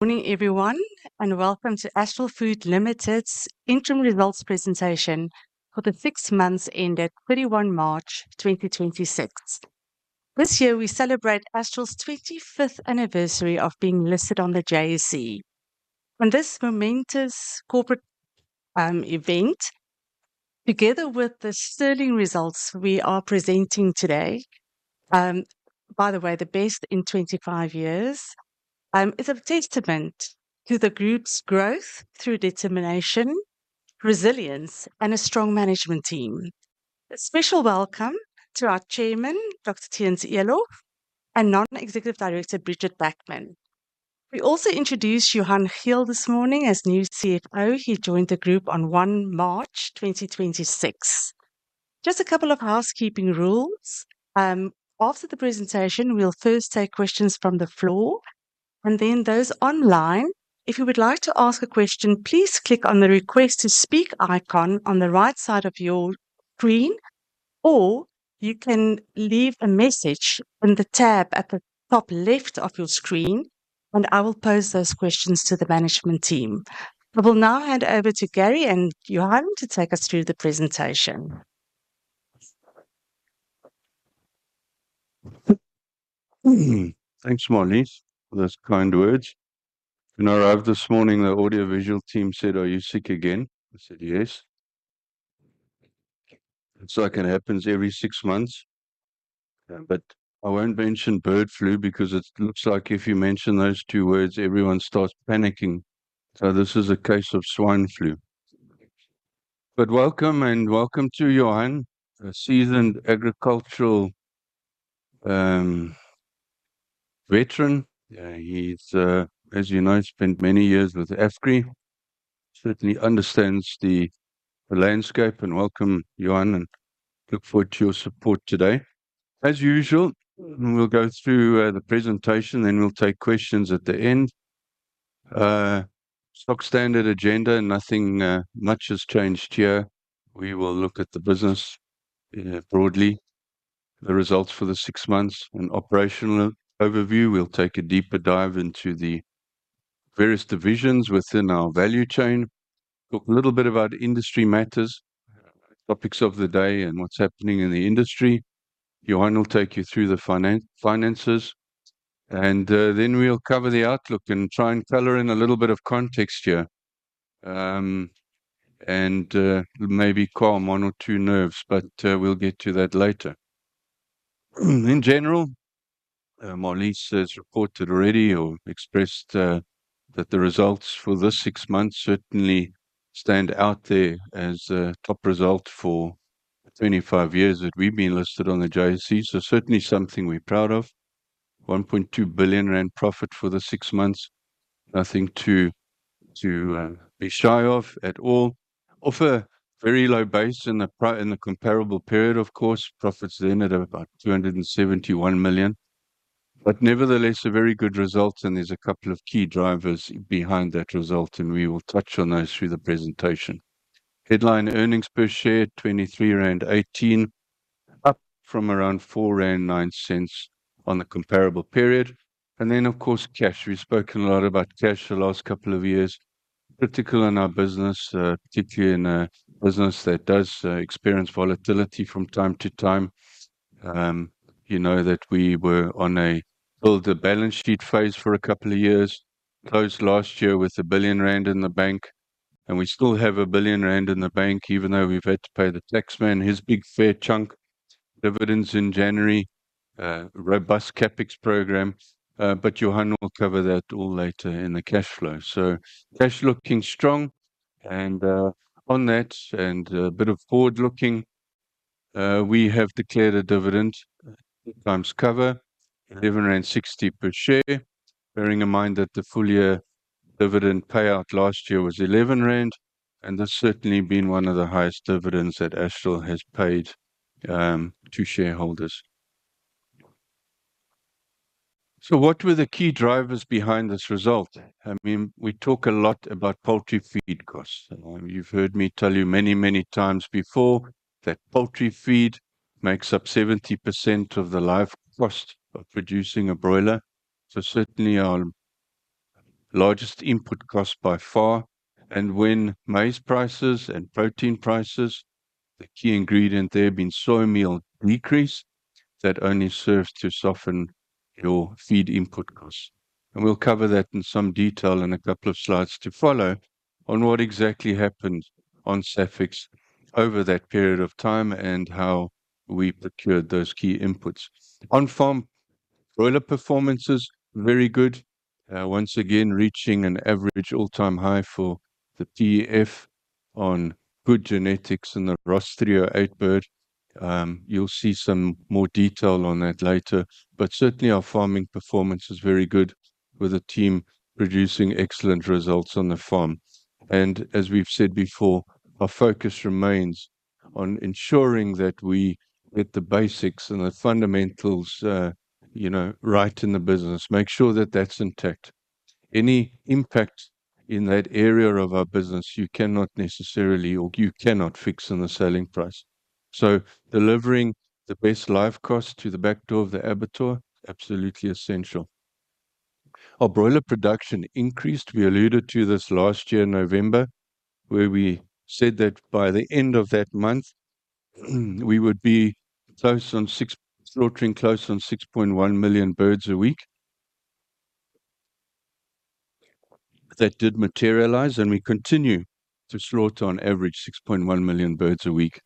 Morning, everyone, and welcome to Astral Foods Limited's interim results presentation for the six months ended 31 March 2026. This year, we celebrate Astral's 25th anniversary of being listed on the JSE. On this momentous corporate event, together with the sterling results we are presenting today, by the way, the best in 25 years, is a testament to the group's growth through determination, resilience and a strong management team. A special welcome to our Chairman, Dr. Theuns Eloff, and Non-Executive Director, Bridget Bareham. We also introduce Johannes Geel this morning as new CFO. He joined the group on 1 March 2026. Just a couple of housekeeping rules. After the presentation, we'll first take questions from the floor. Then those online. If you would like to ask a question, please click on the request to speak icon on the right side of your screen, or you can leave a message on the tab at the top left of your screen, and I will pose those questions to the management team. I will now hand over to Gary and Johannes to take us through the presentation. Thanks, Marlize, for those kind words. When I arrived this morning, the audio visual team said, "Are you sick again?" I said, "Yes." It's like it happens every six months. I won't mention bird flu because it looks like if you mention those two words, everyone starts panicking. This is a case of swine flu. Welcome, and welcome to Johannes, a seasoned agricultural veteran. He's, as you know, spent many years with AFGRI. Certainly understands the landscape and welcome, Johannes, and look forward to your support today. As usual, we'll go through the presentation, then we'll take questions at the end. Stock standard agenda. Nothing much has changed here. We will look at the business broadly, the results for the six months and operational overview. We'll take a deeper dive into the various divisions within our value chain. Talk a little bit about industry matters, topics of the day, and what's happening in the industry. Johannes will take you through the finances, and then we'll cover the outlook and try and color in a little bit of context here. Maybe calm one or two nerves, but we'll get to that later. In general, Marlize has reported already or expressed that the results for this six months certainly stand out there as a top result for 25 years that we've been listed on the JSE. Certainly something we're proud of. 1.2 billion rand profit for the six months. Nothing to be shy of at all. Off a very low base in the comparable period, of course. Profits at about 271 million. Nevertheless, a very good result, and there's a couple of key drivers behind that result, and we will touch on those through the presentation. Headline earnings per share, 23.18 rand, up from around 4.09 rand on the comparable period. Of course, cash. We've spoken a lot about cash the last couple of years. Critical in our business, particularly in a business that does experience volatility from time to time. You know that we were on a build a balance sheet phase for a couple of years. Closed last year with 1 billion rand in the bank, we still have 1 billion rand in the bank, even though we've had to pay the tax man his big fair chunk. Dividends in January. Robust CapEx program. Johannes will cover that all later in the cash flow. Cash looking strong and, on that and a bit of forward looking, we have declared a dividend two times cover 11.60 rand per share, bearing in mind that the full year dividend payout last year was 11 rand, and that's certainly been one of the highest dividends that Astral has paid to shareholders. We talk a lot about poultry feed costs. You've heard me tell you many, many times before that poultry feed makes up 70% of the life cost of producing a broiler. Certainly our largest input cost by far. When maize prices and protein prices, the key ingredient there being soy meal decrease, that only serves to soften your feed input costs. We'll cover that in some detail in two slides to follow on what exactly happened on SAFEX over that period of time and how we procured those key inputs. On-farm broiler performance is very good. Once again, reaching an average all-time high for the PEF on good genetics in the Ross 308 bird. You'll see some more detail on that later. Certainly our farming performance is very good, with the team producing excellent results on the farm. As we've said before, our focus remains on ensuring that we get the basics and the fundamentals right in the business, make sure that that's intact. Any impact in that area of our business, you cannot necessarily or you cannot fix in the selling price. Delivering the best live cost to the back door of the abattoir is absolutely essential. Our broiler production increased. We alluded to this last year, November, where we said that by the end of that month we would be slaughtering close on 6.1 million birds a week. That did materialize, we continue to slaughter on average 6.1 million birds a week.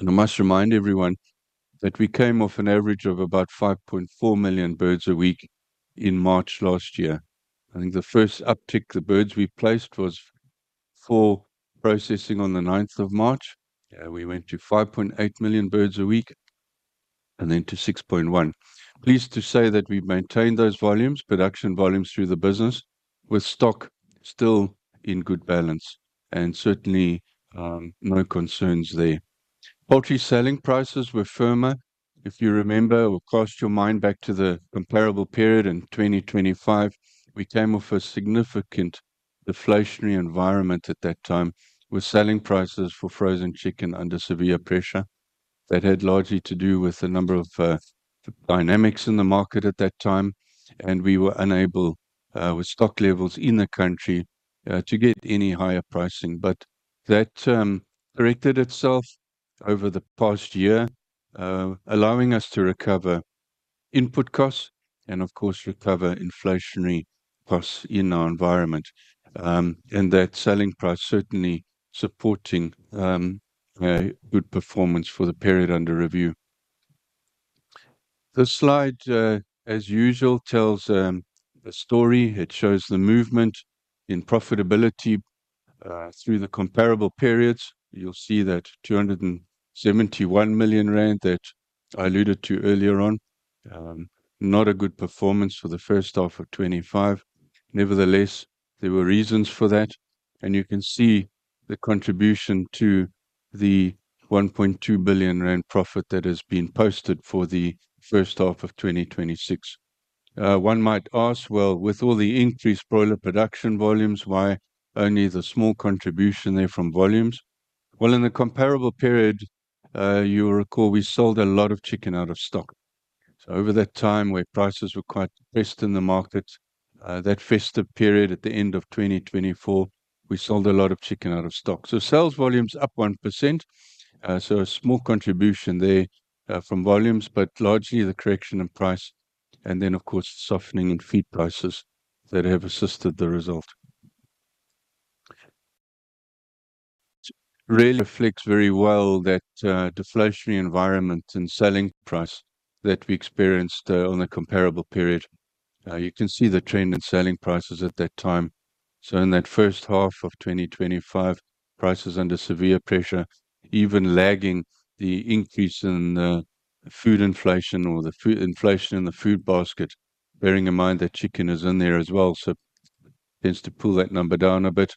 I must remind everyone that we came off an average of about 5.4 million birds a week in March last year. I think the first uptick the birds we placed was for processing on the 9th of March. We went to 5.8 million birds a week and then to 6.1. Pleased to say that we've maintained those production volumes through the business with stock still in good balance and certainly, no concerns there. Poultry selling prices were firmer. If you remember or cast your mind back to the comparable period in 2025, we came off a significant deflationary environment at that time with selling prices for frozen chicken under severe pressure. That had largely to do with the number of dynamics in the market at that time, and we were unable, with stock levels in the country to get any higher pricing. That corrected itself over the past year, allowing us to recover input costs and of course, recover inflationary costs in our environment. That selling price certainly supporting good performance for the period under review. This slide, as usual, tells the story. It shows the movement in profitability through the comparable periods. You'll see that 271 million rand that I alluded to earlier on, not a good performance for the first half of 2025. There were reasons for that. You can see the contribution to the 1.2 billion rand profit that has been posted for the first half of 2026. One might ask, well, with all the increased broiler production volumes, why only the small contribution there from volumes? Well, in the comparable period, you will recall we sold a lot of chicken out of stock. Over that time where prices were quite depressed in the market, that festive period at the end of 2024, we sold a lot of chicken out of stock. Sales volumes up 1%. A small contribution there from volumes, largely the correction in price, of course, softening in feed prices that have assisted the result. It really reflects very well that deflationary environment and selling price that we experienced on a comparable period. You can see the trend in selling prices at that time. In that first half of 2025, prices under severe pressure, even lagging the increase in the food inflation or the inflation in the food basket, bearing in mind that chicken is in there as well, tends to pull that number down a bit.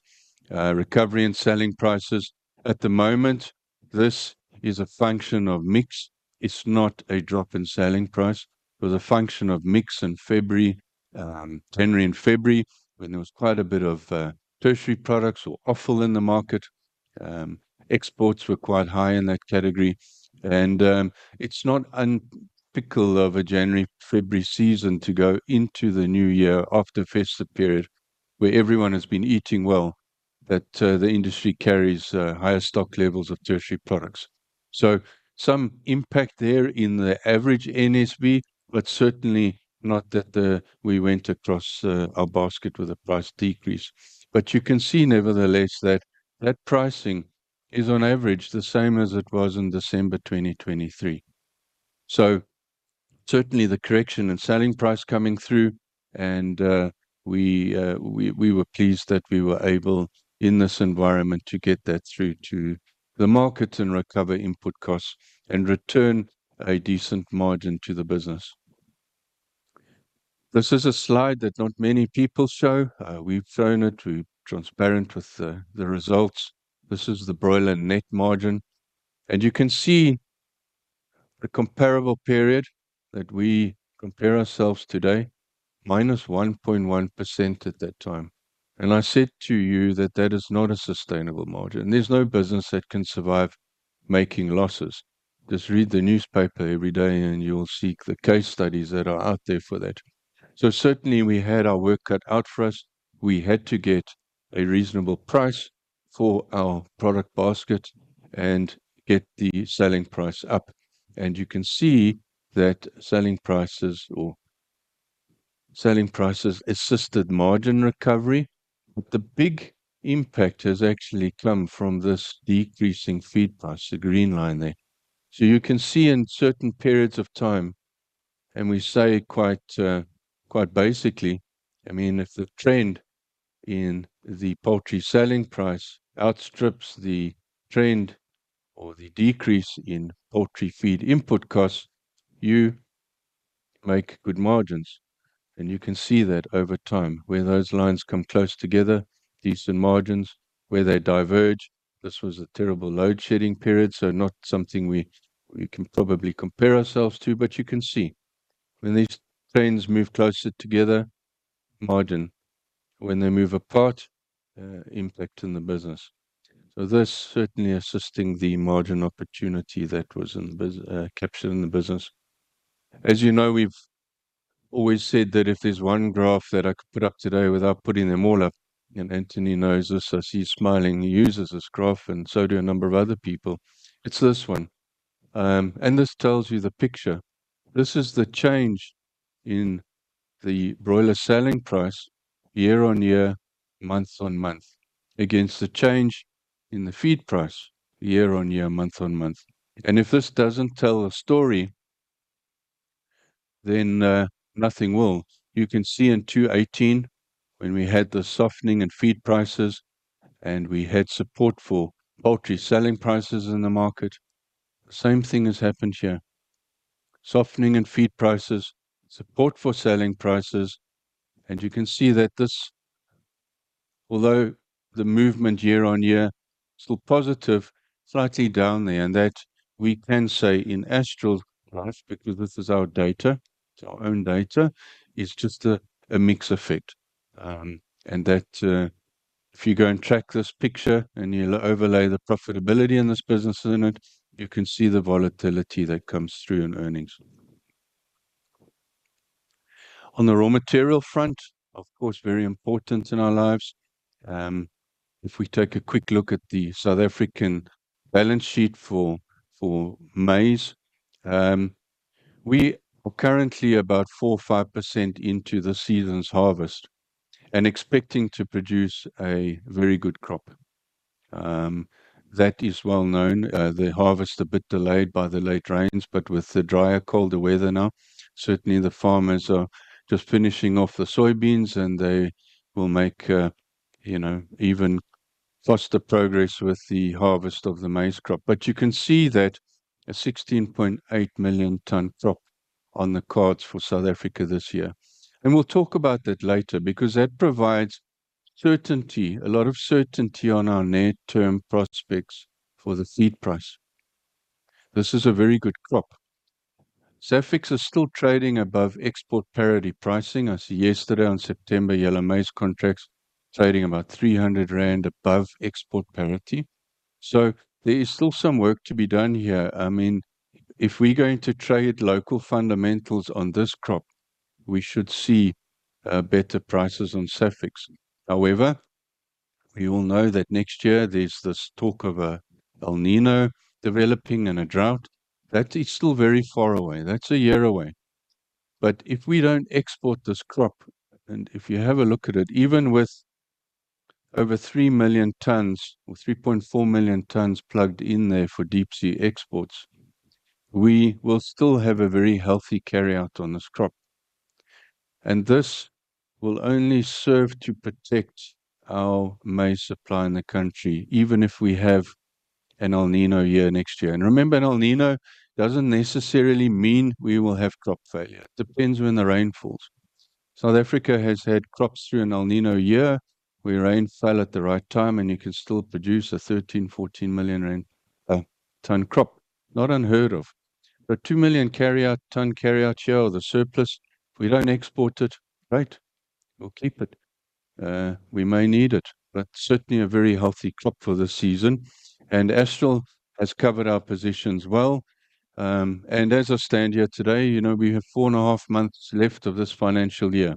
Recovery in selling prices. At the moment, this is a function of mix. It's not a drop in selling price. It was a function of mix in February, January and February, when there was quite a bit of tertiary products or offal in the market. Exports were quite high in that category. It's not unusual over January, February season to go into the new year after festive period where everyone has been eating well, that the industry carries higher stock levels of tertiary products. Some impact there in the average NSV, but certainly not that we went across our basket with a price decrease. You can see nevertheless that that pricing is on average the same as it was in December 2023. Certainly the correction in selling price coming through and we were pleased that we were able in this environment to get that through to the market and recover input costs and return a decent margin to the business. This is a slide that not many people show. We've shown it. We're transparent with the results. This is the broiler net margin. You can see the comparable period that we compare ourselves today, -1.1% at that time. I said to you that that is not a sustainable margin. There's no business that can survive making losses. Just read the newspaper every day you will see the case studies that are out there for that. Certainly we had our work cut out for us. We had to get a reasonable price for our product basket and get the selling price up. You can see that selling prices assisted margin recovery. The big impact has actually come from this decreasing feed price, the green line there. You can see in certain periods of time, and we say quite basically, if the trend in the poultry selling price outstrips the trend or the decrease in poultry feed input costs, you make good margins. You can see that over time where those lines come close together, decent margins. Where they diverge, this was a terrible load-shedding period, so not something we can probably compare ourselves to. You can see when these trends move closer together, margin. When they move apart, impact in the business. This certainly assisting the margin opportunity that was captured in the business. As you know, we've always said that if there's one graph that I could put up today without putting them all up, and Anthony knows this, I see he's smiling. He uses this graph and so do a number of other people. It's this one. This tells you the picture. This is the change in the broiler selling price year-on-year, month-on-month, against the change in the feed price year-on-year, month-on-month. If this doesn't tell a story, then nothing will. You can see in 2018 when we had the softening in feed prices and we had support for poultry selling prices in the market. The same thing has happened here. Softening in feed prices, support for selling prices. You can see that this, although the movement year-over-year still positive, slightly down there, and that we can say in Astral price, because this is our data, it's our own data, is just a mix effect. That if you go and track this picture and you overlay the profitability in this business, isn't it, you can see the volatility that comes through in earnings. On the raw material front, of course, very important in our lives. If we take a quick look at the South African balance sheet for maize. We are currently about 4% or 5% into the season's harvest and expecting to produce a very good crop. That is well known. The harvest a bit delayed by the late rains, with the drier, colder weather now, certainly the farmers are just finishing off the soybeans and they will make even faster progress with the harvest of the maize crop. You can see that a 16.8 million ton crop on the cards for South Africa this year. We'll talk about that later because that provides certainty, a lot of certainty on our near-term prospects for the feed price. This is a very good crop. SAFEX is still trading above export parity pricing. I see yesterday on September yellow maize contracts trading about 300 rand above export parity. There is still some work to be done here. If we're going to trade local fundamentals on this crop, we should see better prices on SAFEX. We all know that next year there's this talk of a El Niño developing and a drought. That is still very far away. That's a year away. If we don't export this crop, and if you have a look at it, even with over 3 million tons or 3.4 million tons plugged in there for deep sea exports, we will still have a very healthy carryout on this crop. This will only serve to protect our maize supply in the country, even if we have an El Niño year next year. Remember, an El Niño doesn't necessarily mean we will have crop failure. It depends when the rain falls. South Africa has had crops through an El Niño year, where rain fell at the right time, and you can still produce a 13 million, 14 million ton crop. Not unheard of. 2 million tons carryout yield, the surplus, if we don't export it, great, we'll keep it. We may need it, but certainly a very healthy crop for this season. Astral has covered our positions well. As I stand here today, we have 4.5 months left of this financial year.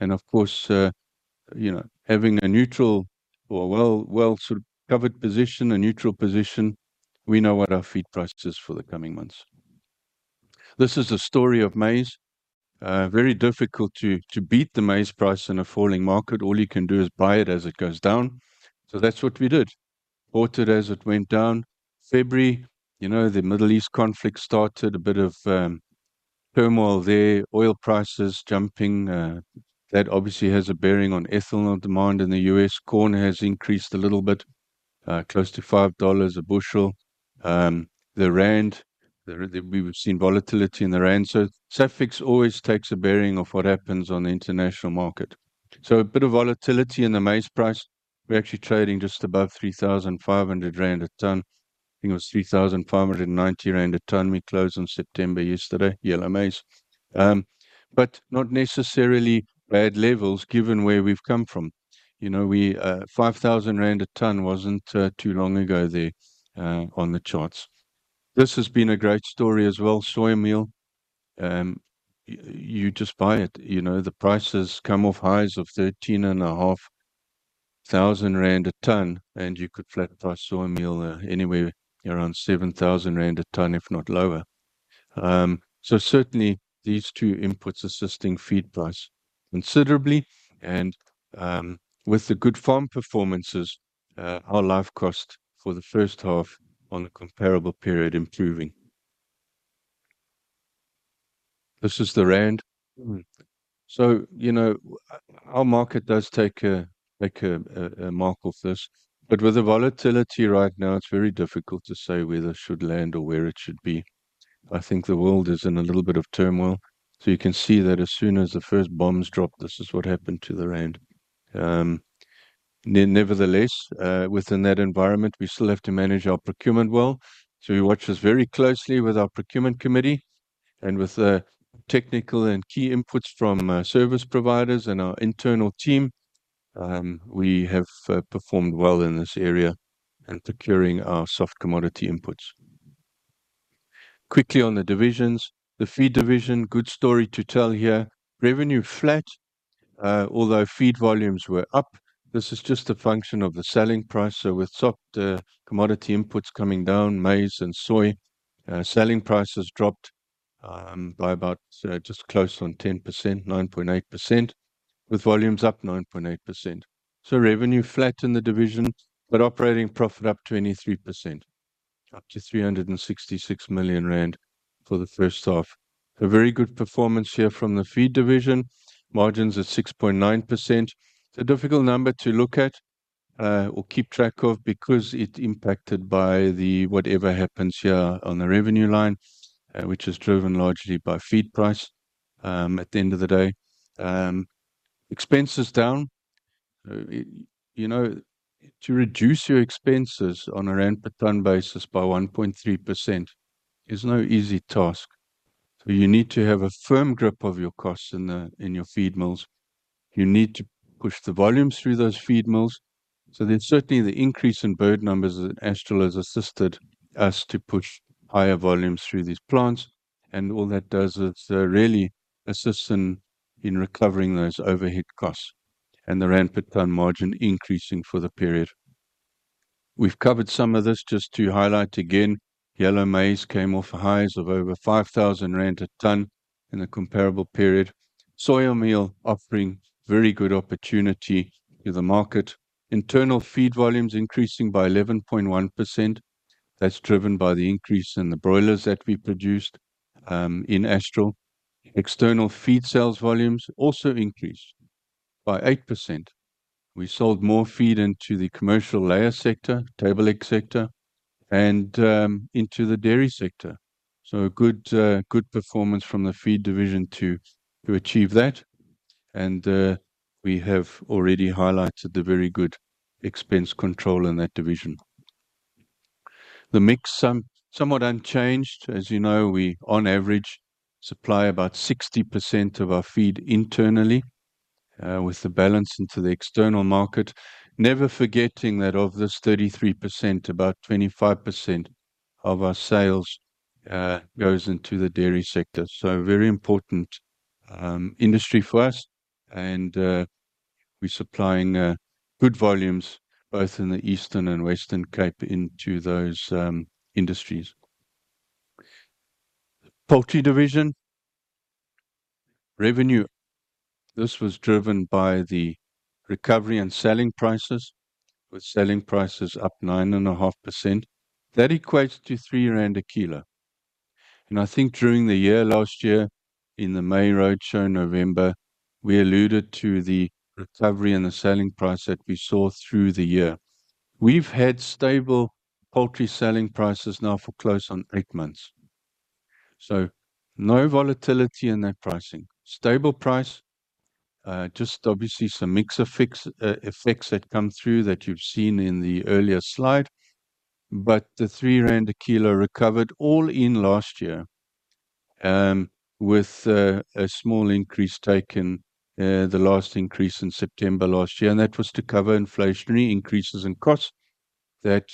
Of course, having a neutral or well sort of covered position, a neutral position, we know what our feed price is for the coming months. This is a story of maize. Very difficult to beat the maize price in a falling market. All you can do is buy it as it goes down. That's what we did. Bought it as it went down. February, the Middle East conflict started, a bit of turmoil there, oil prices jumping. That obviously has a bearing on ethanol demand in the U.S. Corn has increased a little bit, close to $5 a bushel. The Rand, we've seen volatility in the Rand. SAFEX always takes a bearing of what happens on the international market, a bit of volatility in the maize price. We're actually trading just above 3,500 rand a ton. I think it was 3,590 rand a ton we closed on September yesterday, yellow maize. Not necessarily bad levels given where we've come from. 5,000 rand a ton wasn't too long ago there on the charts. This has been a great story as well. Soy meal, you just buy it. The price has come off highs of 13,500 rand a ton, and you could flat buy soy meal anywhere around 7,000 rand a ton, if not lower. Certainly these two inputs assisting feed price considerably and with the good farm performances, our life cost for the first half on a comparable period improving. This is the rand. Our market does take a mark of this. With the volatility right now, it's very difficult to say where this should land or where it should be. I think the world is in a little bit of turmoil. You can see that as soon as the first bombs dropped, this is what happened to the rand. Nevertheless, within that environment, we still have to manage our procurement well. We watch this very closely with our Procurement Committee and with the technical and key inputs from our service providers and our internal team. We have performed well in this area in procuring our soft commodity inputs. Quickly on the divisions. The Feed division, good story to tell here. Revenue flat, although feed volumes were up. This is just a function of the selling price. With soft commodity inputs coming down, maize and soy, selling prices dropped by about just close on 10%, 9.8%, with volumes up 9.8%. Revenue flat in the division, but operating profit up 23%, up to 366 million rand for the first half. A very good performance here from the Feed division. Margins at 6.9%. It's a difficult number to look at, or keep track of because it's impacted by whatever happens here on the revenue line, which is driven largely by feed price at the end of the day. Expenses down. To reduce your expenses on a ZAR per ton basis by 1.3% is no easy task. You need to have a firm grip of your costs in your feed mills. You need to push the volumes through those feed mills. Certainly the increase in bird numbers at Astral has assisted us to push higher volumes through these plants. All that does is really assists in recovering those overhead costs and the rand per ton margin increasing for the period. We've covered some of this just to highlight again. Yellow maize came off highs of over 5,000 rand a ton in a comparable period. Soy meal offering very good opportunity to the market. Internal feed volumes increasing by 11.1%. That's driven by the increase in the broilers that we produced in Astral. External feed sales volumes also increased by 8%. We sold more feed into the commercial layer sector, table egg sector, and into the dairy sector. A good performance from the Feed division to achieve that. We have already highlighted the very good expense control in that division. The mix, somewhat unchanged. As you know, we on average supply about 60% of our feed internally, with the balance into the external market. Never forgetting that of this 33%, about 25% of our sales goes into the dairy sector. A very important industry for us and we're supplying good volumes both in the Eastern and Western Cape into those industries. Poultry division. Revenue. This was driven by the recovery and selling prices, with selling prices up 9.5%. That equates to 3 rand a kilo. I think during the year, last year in the May roadshow, November, we alluded to the recovery and the selling price that we saw through the year. We've had stable poultry selling prices now for close on 8 months. No volatility in that pricing. Stable price, just obviously some mix effects that come through that you've seen in the earlier slide. The 3 rand a kilo recovered all in last year, with a small increase taken, the last increase in September last year, and that was to cover inflationary increases in costs that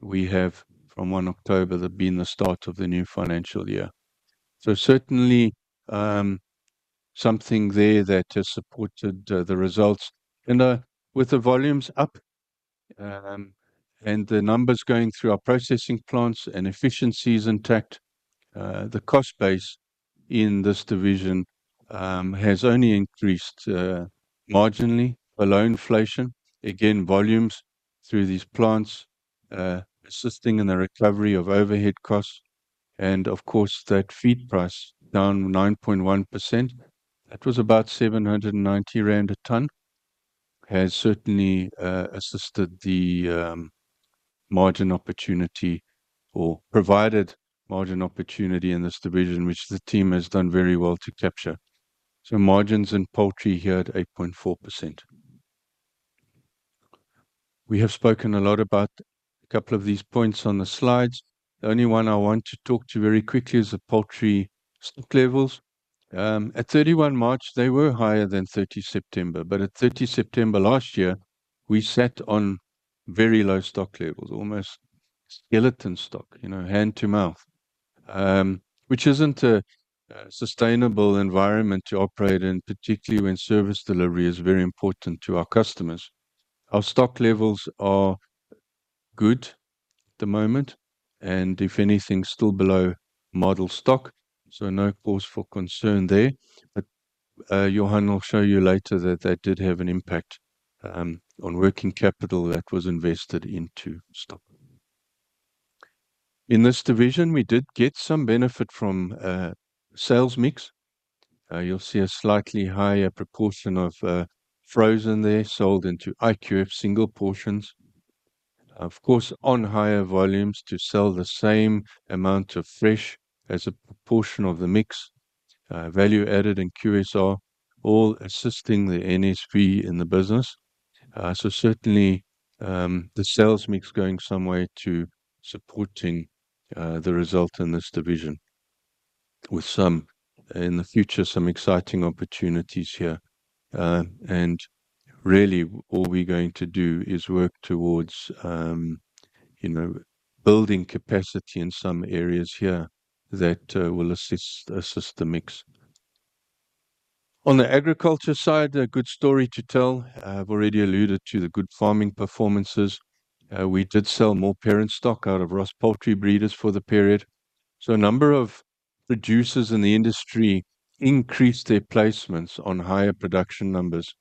we have from 1 October, that being the start of the new financial year. Certainly, something there that has supported the results. With the volumes up and the numbers going through our processing plants and efficiencies intact, the cost base in this division has only increased marginally below inflation. Again, volumes through these plants assisting in the recovery of overhead costs. Of course, that feed price down 9.1%. That was about 790 rand a ton. Has certainly assisted the margin opportunity or provided margin opportunity in this division, which the team has done very well to capture. Margins in poultry here at 8.4%. We have spoken a lot about a couple of these points on the slides. The only one I want to talk to you very quickly is the poultry stock levels. At 31 March, they were higher than 30 September. At 30 September last year, we sat on very low stock levels, almost skeleton stock, hand to mouth, which isn't a sustainable environment to operate in, particularly when service delivery is very important to our customers. Our stock levels are good at the moment, and if anything, still below model stock, so no cause for concern there. Johannes will show you later that that did have an impact on working capital that was invested into stock. In this division, we did get some benefit from sales mix. You'll see a slightly higher proportion of frozen there sold into IQF single portions. Of course, on higher volumes to sell the same amount of fresh as a proportion of the mix, value added and QSR all assisting the NSV in the business. Certainly, the sales mix going some way to supporting the result in this division with some, in the future, some exciting opportunities here. Really all we're going to do is work towards building capacity in some areas here that will assist the mix. On the agriculture side, a good story to tell. I've already alluded to the good farming performances. We did sell more parent stock out of Ross Poultry Breeders for the period. A number of producers in the industry increased their placements on higher production numbers.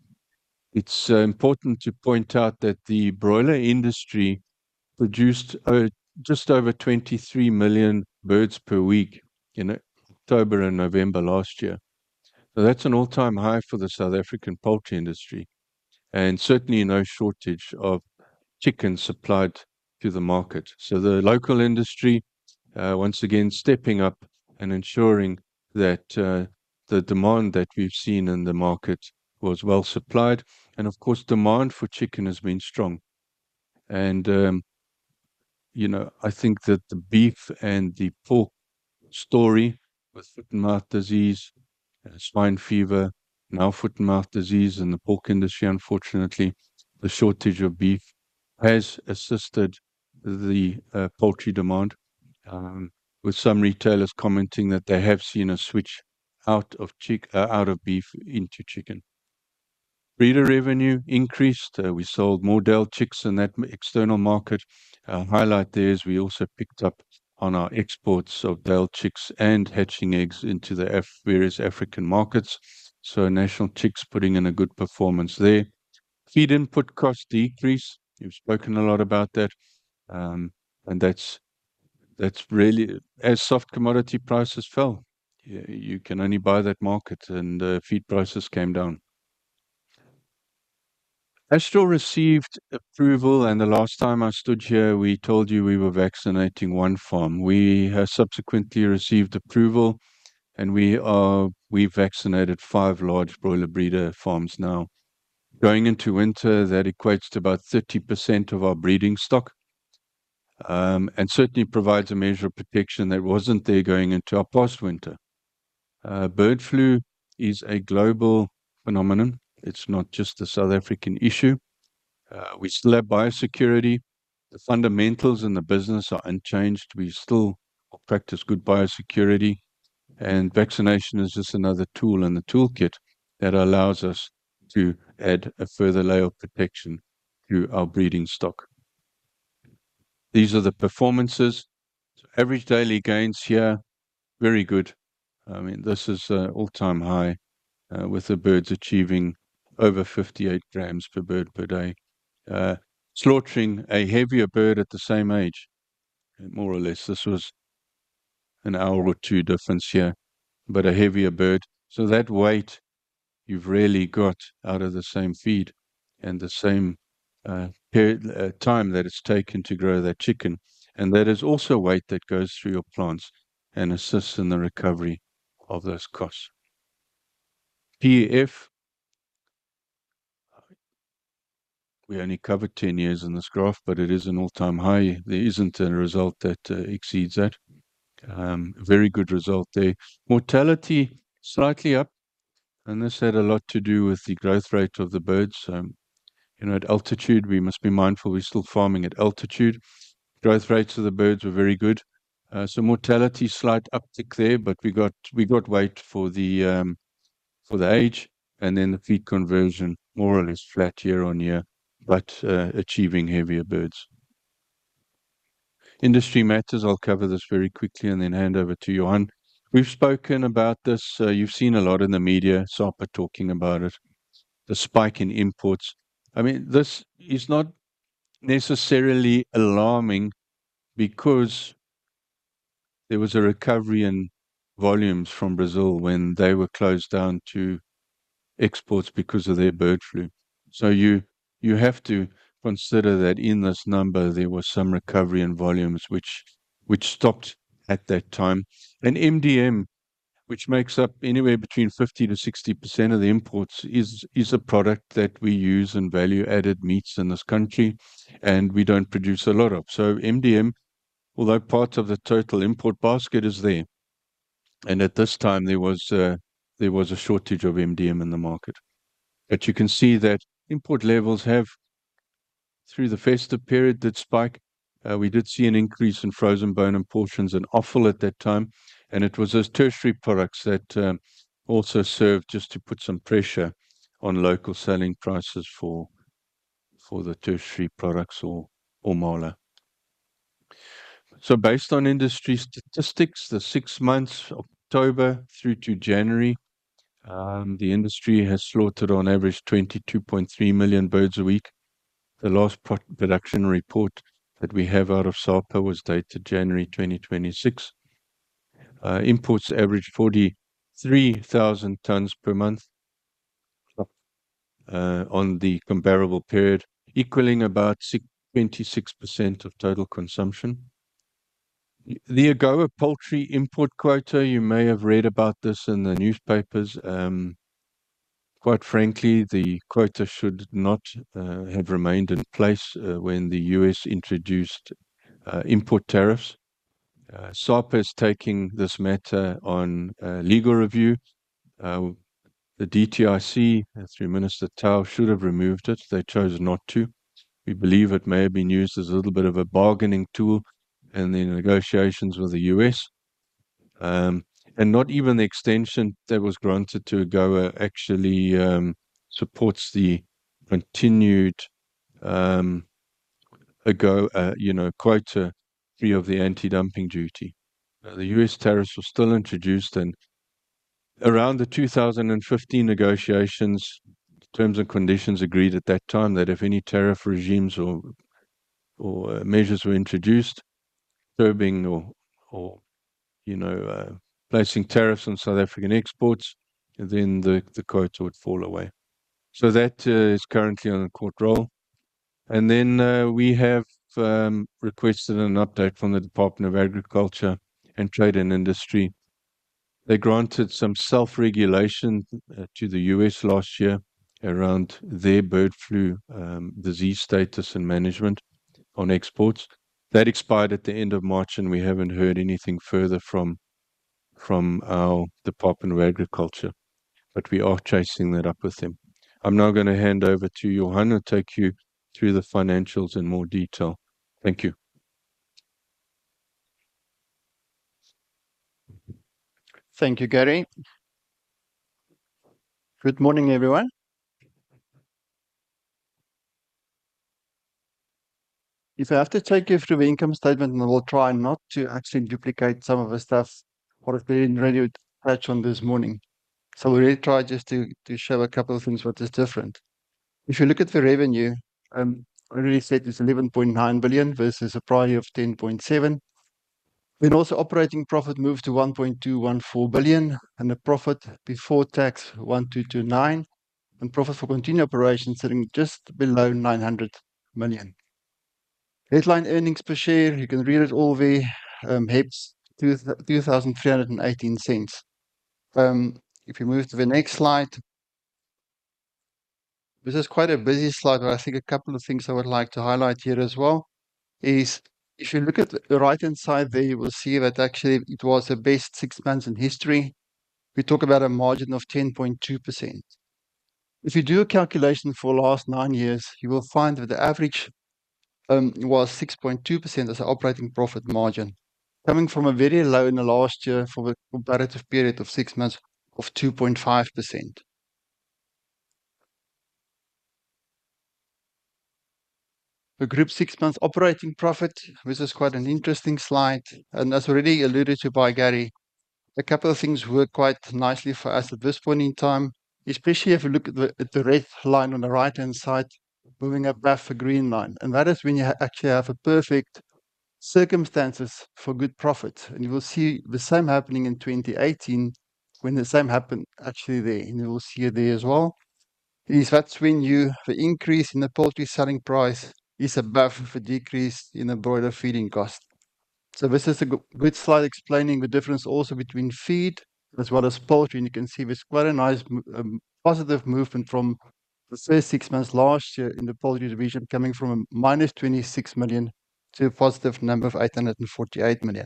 It's important to point out that the broiler industry produced just over 23 million birds per week in October and November last year. That's an all-time high for the South African poultry industry, and certainly no shortage of chicken supplied to the market. The local industry, once again, stepping up and ensuring that the demand that we've seen in the market was well supplied. Of course, demand for chicken has been strong. I think that the beef and the pork story with foot and mouth disease, swine fever, now foot and mouth disease in the pork industry, unfortunately, the shortage of beef has assisted the poultry demand, with some retailers commenting that they have seen a switch out of beef into chicken. Breeder revenue increased. We sold more day-old chicks in that external market. A highlight there is we also picked up on our exports of day-old chicks and hatching eggs into the various African markets. National Chicks putting in a good performance there. Feed input cost decrease. We've spoken a lot about that's really as soft commodity prices fell. You can only buy that market, the feed prices came down. Astral received approval. The last time I stood here, we told you we were vaccinating one farm. We have subsequently received approval, we've vaccinated five large broiler breeder farms now. Going into winter, that equates to about 30% of our breeding stock, certainly provides a measure of protection that wasn't there going into our past winter. Bird flu is a global phenomenon. It's not just a South African issue. We still have biosecurity. The fundamentals in the business are unchanged. We still practice good biosecurity, and vaccination is just another tool in the toolkit that allows us to add a further layer of protection to our breeding stock. These are the performances. Average daily gains here, very good. This is all-time high, with the birds achieving over 58 grams per bird per day. Slaughtering a heavier bird at the same age, more or less. This was an hour or 2 difference here, but a heavier bird. That weight you've really got out of the same feed and the same period of time that it's taken to grow that chicken. That is also weight that goes through your plants and assists in the recovery of those costs. PEF. We only cover 10 years in this graph, but it is an all-time high. There isn't a result that exceeds that. Very good result there. Mortality slightly up, and this had a lot to do with the growth rate of the birds. At altitude, we must be mindful, we're still farming at altitude. Growth rates of the birds were very good. Mortality, slight uptick there, but we got weight for the age, and then the feed conversion more or less flat year-on-year but achieving heavier birds. Industry matters. I'll cover this very quickly and then hand over to Johannes. We've spoken about this. You've seen a lot in the media, SAPA talking about it, the spike in imports. This is not necessarily alarming because there was a recovery in volumes from Brazil when they were closed down to exports because of their bird flu. You have to consider that in this number, there was some recovery in volumes which stopped at that time. MDM, which makes up anywhere between 50%-60% of the imports, is a product that we use in value-added meats in this country and we don't produce a lot of. MDM, although part of the total import basket is there, and at this time there was a shortage of MDM in the market. You can see that import levels have, through the festive period, did spike. We did see an increase in frozen bone and portions and offal at that time, and it was those tertiary products that also served just to put some pressure on local selling prices for the tertiary products or mala. Based on industry statistics, the six months, October through to January, the industry has slaughtered on average 22.3 million birds a week. The last production report that we have out of SAPA was dated January 2026. Imports average 43,000 tons per month. On the comparable period equaling about 26% of total consumption. The AGOA poultry import quota, you may have read about this in the newspapers. Quite frankly, the quota should not have remained in place when the U.S. introduced import tariffs. SAPA has taken this matter on legal review. The DTIC, through Minister Tau, should have removed it. They chose not to. We believe it may have been used as a little bit of a bargaining tool in the negotiations with the U.S. Not even the extension that was granted to AGOA actually supports the continued AGOA quota free of the anti-dumping duty. The U.S. tariffs were still introduced and around the 2015 negotiations, terms and conditions agreed at that time that if any tariff regimes or measures were introduced, curbing or placing tariffs on South African exports, then the quota would fall away. That is currently on a court roll. Then we have requested an update from the Department of Agriculture and Trade and Industry. They granted some self-regulation to the U.S. last year around their bird flu disease status and management on exports. That expired at the end of March, and we haven't heard anything further from our Department of Agriculture, but we are chasing that up with them. I'm now going to hand over to Johannes to take you through the financials in more detail. Thank you. Thank you, Gary. Good morning, everyone. If I have to take you through the income statement, and I will try not to actually duplicate some of the stuff what has been already touched on this morning. We really try just to show a couple of things what is different. If you look at the revenue, I already said it's 11.9 billion versus a prior year of 10.7 billion. Also operating profit moved to 1.214 billion and a profit before tax, 1.229 billion, and profit for continued operations sitting just below 900 million. Headline earnings per share, you can read it all there, HEPS, 23.18. If you move to the next slide. This is quite a busy slide, I think a couple of things I would like to highlight here as well is if you look at the right-hand side there, you will see that actually it was the best six months in history. We talk about a margin of 10.2%. If you do a calculation for last nine years, you will find that the average was 6.2% as an operating profit margin. Coming from a very low in the last year for the comparative period of six months of 2.5%. The group six months operating profit. This is quite an interesting slide, as already alluded to by Gary. A couple of things work quite nicely for us at this point in time, especially if you look at the red line on the right-hand side moving above the green line. That is when you actually have a perfect circumstances for good profit. You will see the same happening in 2018 when the same happened actually there. You will see it there as well, is that's when you have an increase in the poultry selling price is above the decrease in the broiler feeding cost. This is a good slide explaining the difference also between feed as well as poultry. You can see there's quite a nice positive movement from the first six months last year in the poultry division coming from a -26 million to a positive number of 848 million.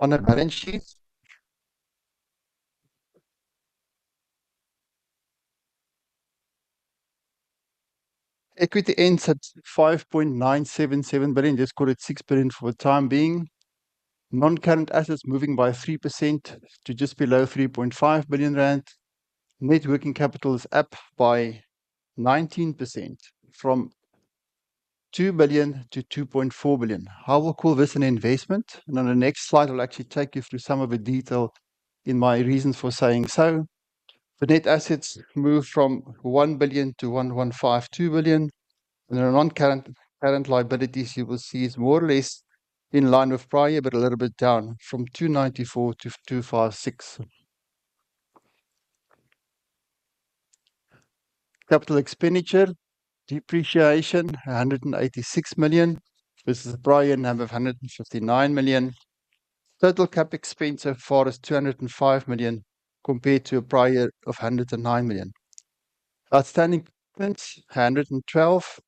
On the balance sheet. Equity ends at 5.977 billion. Let's call it 6 billion for the time being. Non-current assets moving by 3% to just below 3.5 billion rand. Net working capital is up by 19% from 2 billion to 2.4 billion. I will call this an investment, and on the next slide, I'll actually take you through some of the detail in my reasons for saying so. The net assets moved from 1 billion to 1.152 billion. Our non-current liabilities you will see is more or less in line with prior, but a little bit down from 294 million to 256 million. Capital expenditure. Depreciation, 186 million versus the prior year number of 159 million. Total cap expense so far is 205 million compared to a prior year of 109 million. Outstanding commitments, 112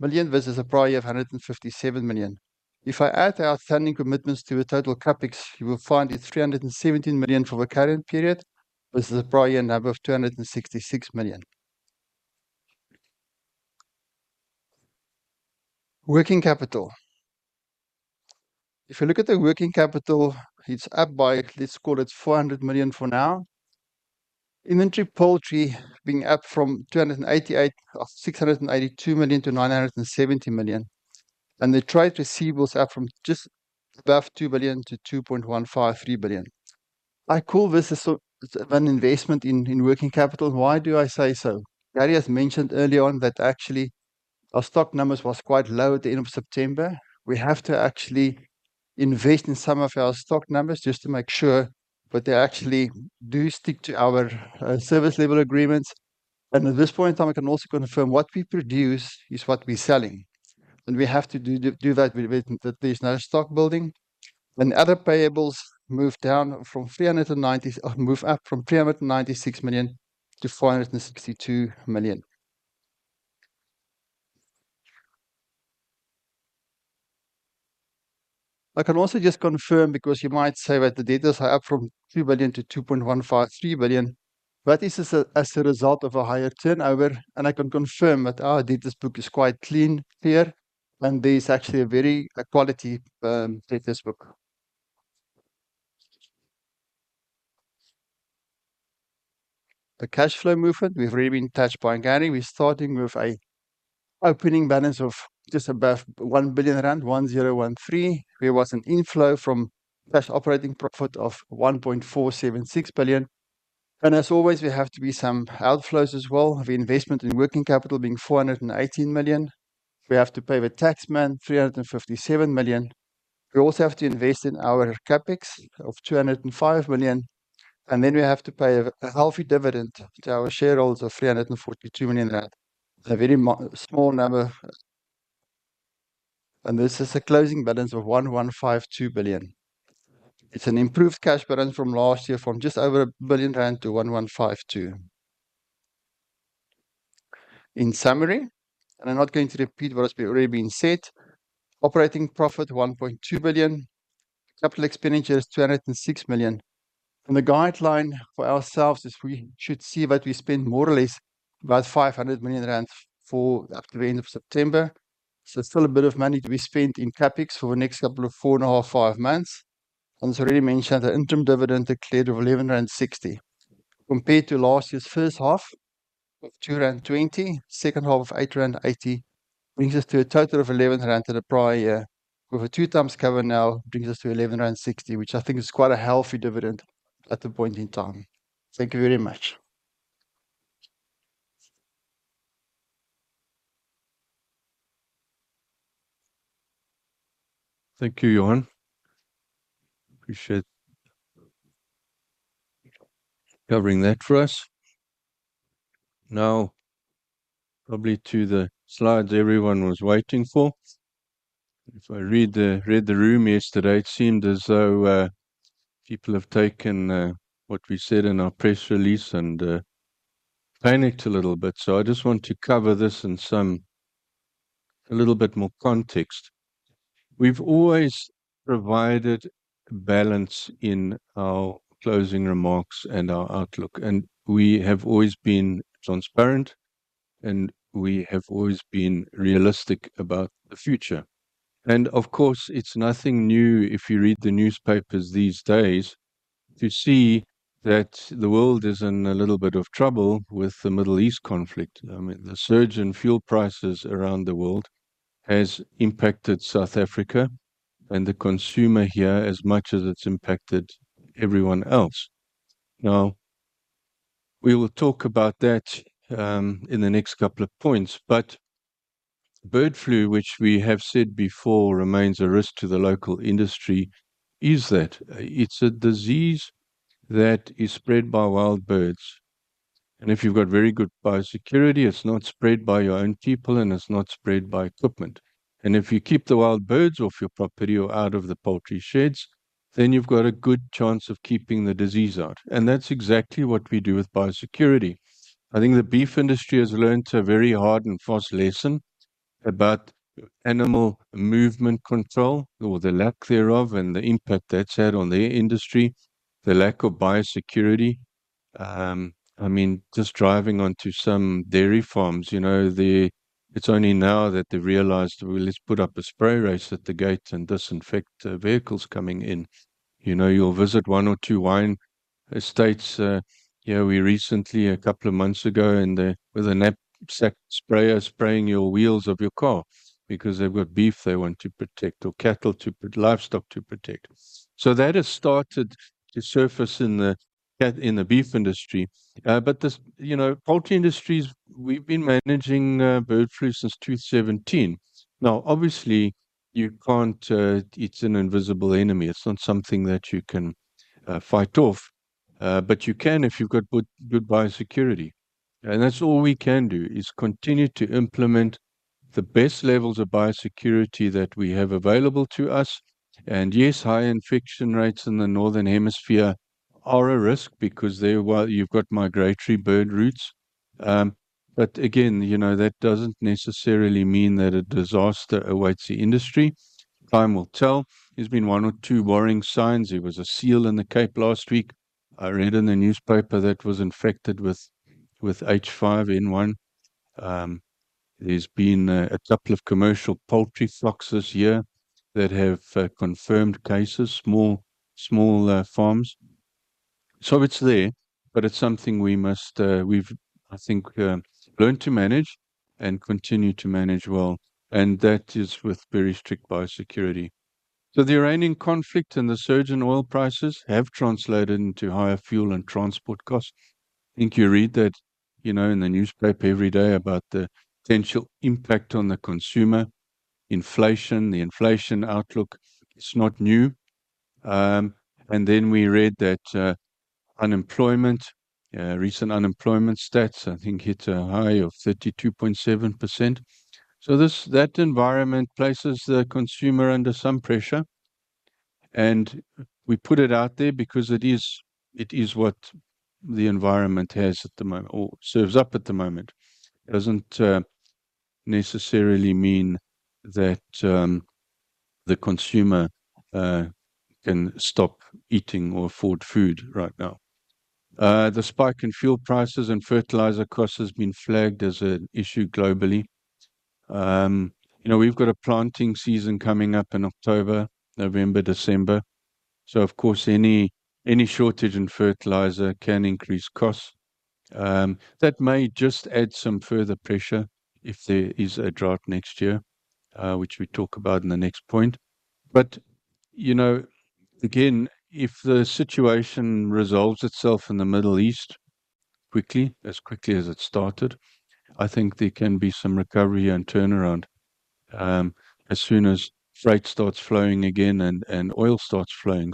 million versus a prior year of 157 million. If I add outstanding commitments to the total CapEx, you will find it's 317 million for the current period versus the prior year number of 266 million. Working capital. If you look at the working capital, it's up by, let's call it 400 million for now. Inventory poultry being up from 682 million to 970 million. The trade receivables up from just above 2 billion to 2.153 billion. I call this an investment in working capital. Why do I say so? Gary has mentioned earlier on that actually Our stock numbers was quite low at the end of September. We have to actually invest in some of our stock numbers just to make sure that they actually do stick to our service level agreements. At this point in time, I can also confirm what we produce is what we're selling. We have to do that. There's no stock building. Other payables move up from 396 million to 462 million. I can also just confirm, because you might say that the debtors are up from 3 billion to 2.153 billion, that is as a result of a higher turnover. I can confirm that our debtors book is quite clean, clear, and there is actually a very quality debtors book. The cash flow movement, we've already been touched by Gary. We're starting with an opening balance of just above 1 billion rand, 1,013 million. There was an inflow from cash operating profit of 1.476 billion. As always, there have to be some outflows as well. Reinvestment in working capital being 418 million. We have to pay the tax man 357 million. We also have to invest in our CapEx of 205 million. We have to pay a healthy dividend to our shareholders of 342 million rand. A very small number. This is a closing balance of 1,152 million. It's an improved cash balance from last year, from just over 1 billion rand to 1,152 million. In summary, I'm not going to repeat what has already been said. Operating profit 1.2 billion. Capital expenditures, 206 million. The guideline for ourselves is we should see that we spend more or less about 500 million rand up to the end of September. Still a bit of money to be spent in CapEx for the next couple of 4.5 months. As already mentioned, the interim dividend declared of 11.60 rand. Compared to last year's first half of 2.20 rand, second half of 8.80 rand, brings us to a total of 11 rand to the prior year. With a 2x cover now brings us to 11.60 rand, which I think is quite a healthy dividend at the point in time. Thank you very much. Thank you, Johannes. Appreciate covering that for us. Probably to the slides everyone was waiting for. If I read the room yesterday, it seemed as though people have taken what we said in our press release and panicked a little bit. I just want to cover this in a little bit more context. We've always provided balance in our closing remarks and our outlook, and we have always been transparent, and we have always been realistic about the future. Of course, it's nothing new if you read the newspapers these days to see that the world is in a little bit of trouble with the Middle East conflict. I mean, the surge in fuel prices around the world has impacted South Africa and the consumer here as much as it's impacted everyone else. We will talk about that in the next couple of points. Bird flu, which we have said before, remains a risk to the local industry, is that it's a disease that is spread by wild birds. If you've got very good biosecurity, it's not spread by your own people, and it's not spread by equipment. If you keep the wild birds off your property or out of the poultry sheds, then you've got a good chance of keeping the disease out. That's exactly what we do with biosecurity. I mean, the beef industry has learnt a very hard and fast lesson about animal movement control or the lack thereof, and the impact that's had on their industry, the lack of biosecurity. I mean, just driving onto some dairy farms, it's only now that they realized, "Well, let's put up a spray race at the gate and disinfect vehicles coming in." You'll visit one or two wine estates. We recently, a couple of months ago, and with a knapsack sprayer spraying your wheels of your car because they've got beef they want to protect or livestock to protect. That has started to surface in the beef industry. Poultry industries, we've been managing bird flu since 2017. Now, obviously it's an invisible enemy. It's not something that you can fight off. You can if you've got good biosecurity. That's all we can do, is continue to implement the best levels of biosecurity that we have available to us. Yes, high infection rates in the northern hemisphere are a risk because there you've got migratory bird routes. Again, that doesn't necessarily mean that a disaster awaits the industry. Time will tell. There's been one or two worrying signs. There was a seal in the Cape last week, I read in the newspaper, that was infected with H5N1. There's been a couple of commercial poultry flocks this year that have confirmed cases. Small farms. It's there, but it's something we've, I think learned to manage and continue to manage well, and that is with very strict biosecurity. The Iranian conflict and the surge in oil prices have translated into higher fuel and transport costs. I think you read that in the newspaper every day about the potential impact on the consumer inflation. The inflation outlook is not new. We read that recent unemployment stats, I think, hit a high of 32.7%. That environment places the consumer under some pressure, and we put it out there because it is what the environment serves up at the moment. It doesn't necessarily mean that the consumer can stop eating or afford food right now. The spike in fuel prices and fertilizer costs has been flagged as an issue globally. We've got a planting season coming up in October, November, December. Of course, any shortage in fertilizer can increase costs. That may just add some further pressure if there is a drought next year, which we talk about in the next point. Again, if the situation resolves itself in the Middle East as quickly as it started, I think there can be some recovery and turnaround as soon as freight starts flowing again and oil starts flowing.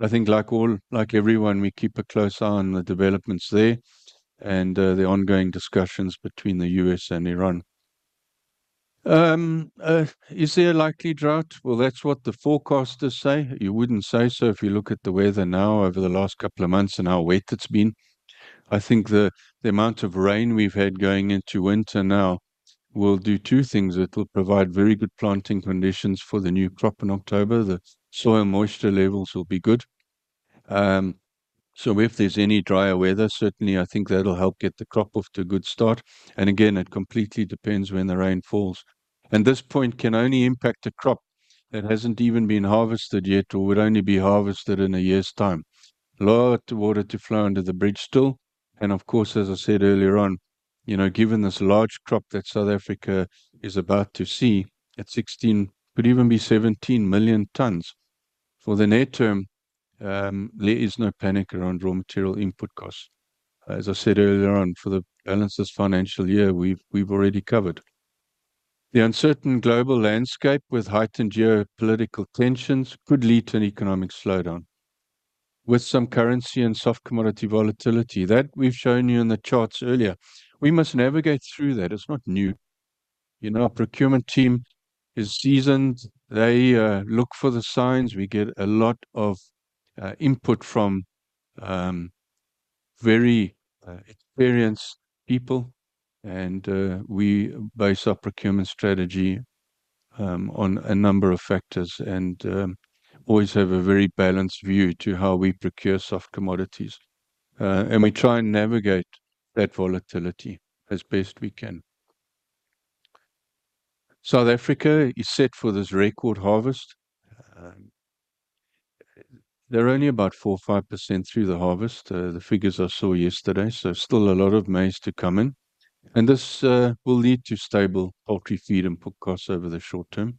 I think like everyone, we keep a close eye on the developments there and the ongoing discussions between the U.S. and Iran. Is there a likely drought? Well, that's what the forecasters say. You wouldn't say so if you look at the weather now over the last couple of months and how wet it's been. I think the amount of rain we've had going into winter now will do two things. It'll provide very good planting conditions for the new crop in October. The soil moisture levels will be good. If there's any drier weather, certainly I think that'll help get the crop off to a good start. Again, it completely depends when the rain falls. This point can only impact a crop that hasn't even been harvested yet or would only be harvested in a year's time. A lot of water to flow under the bridge still. Of course, as I said earlier on, given this large crop that South Africa is about to see at 16 million tons, could even be 17 million tons. For the near term, there is no panic around raw material input costs. As I said earlier on, for the balance this financial year, we've already covered. The uncertain global landscape with heightened geopolitical tensions could lead to an economic slowdown with some currency and soft commodity volatility. That we've shown you in the charts earlier. We must navigate through that. It's not new. Our procurement team is seasoned. They look for the signs. We get a lot of input from very experienced people, and we base our procurement strategy on a number of factors and always have a very balanced view to how we procure soft commodities. We try and navigate that volatility as best we can. South Africa is set for this record harvest. They're only about 4%-5% through the harvest, the figures I saw yesterday. Still a lot of maize to come in. This will lead to stable poultry feed input costs over the short term.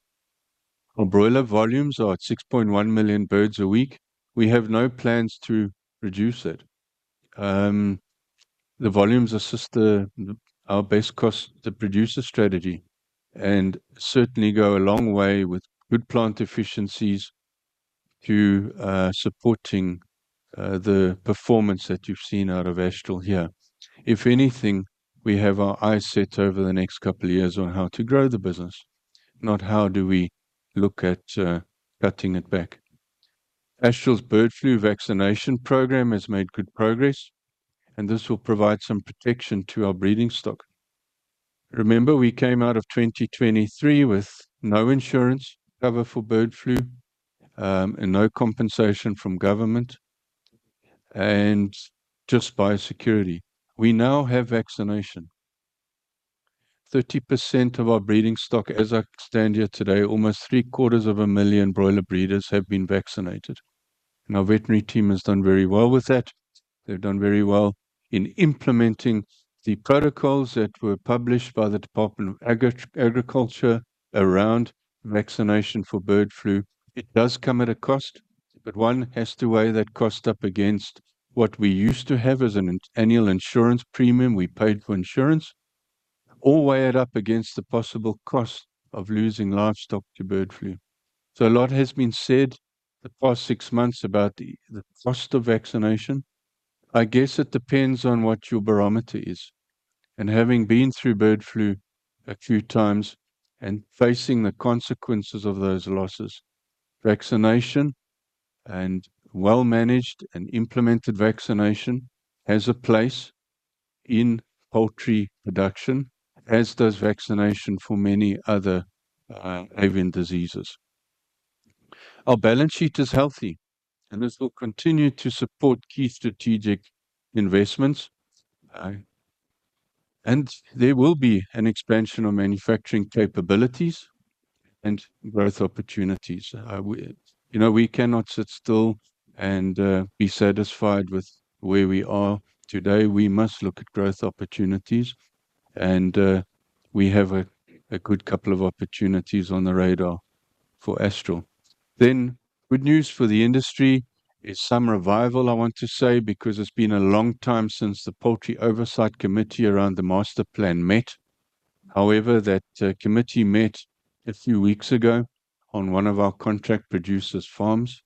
Our broiler volumes are at 6.1 million birds a week. We have no plans to reduce that. The volumes assist our base cost to produce a strategy and certainly go a long way with good plant efficiencies to supporting the performance that you've seen out of Astral here. If anything, we have our eyes set over the next couple of years on how to grow the business, not how do we look at cutting it back. Astral's bird flu vaccination program has made good progress. This will provide some protection to our breeding stock. Remember, we came out of 2023 with no insurance cover for bird flu, no compensation from government, and just biosecurity. We now have vaccination. 30% of our breeding stock, as I stand here today, almost 750,000 broiler breeders have been vaccinated, and our veterinary team has done very well with that. They've done very well in implementing the protocols that were published by the Department of Agriculture around vaccination for bird flu. It does come at a cost. One has to weigh that cost up against what we used to have as an annual insurance premium we paid for insurance, or weigh it up against the possible cost of losing livestock to bird flu. A lot has been said the past six months about the cost of vaccination. I guess it depends on what your barometer is. Having been through bird flu a few times and facing the consequences of those losses, vaccination and well-managed and implemented vaccination has a place in poultry production, as does vaccination for many other avian diseases. Our balance sheet is healthy, this will continue to support key strategic investments. There will be an expansion of manufacturing capabilities and growth opportunities. We cannot sit still and be satisfied with where we are today. We must look at growth opportunities and we have a good couple of opportunities on the radar for Astral. Good news for the industry is some revival, I want to say, because it's been a long time since the Poultry Oversight Committee around the Master Plan met. However, that committee met a few weeks ago on one of our contract producer's farms,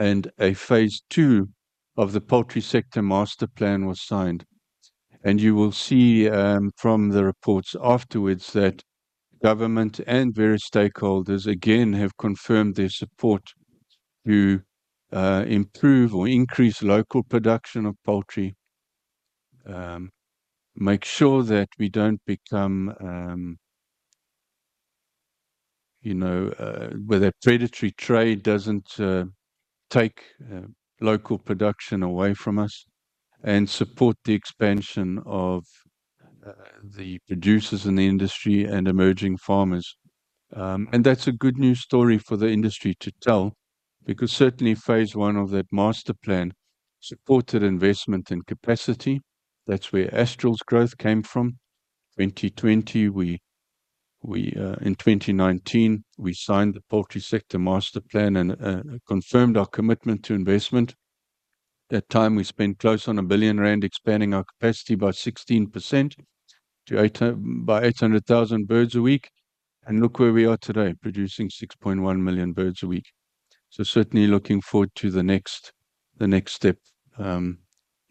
and a phase two of the Poultry Sector Master Plan was signed. You will see from the reports afterwards that government and various stakeholders again have confirmed their support to improve or increase local production of poultry. Make sure that where that predatory trade doesn't take local production away from us, and support the expansion of the producers in the industry and emerging farmers. That's a good news story for the industry to tell, because certainly phase one of that Master Plan supported investment and capacity. That's where Astral's growth came from. 2020, in 2019, we signed the Poultry Sector Master Plan and confirmed our commitment to investment. That time we spent close on 1 billion rand expanding our capacity by 16% by 800,000 birds a week. Look where we are today, producing 6.1 million birds a week. Certainly looking forward to the next step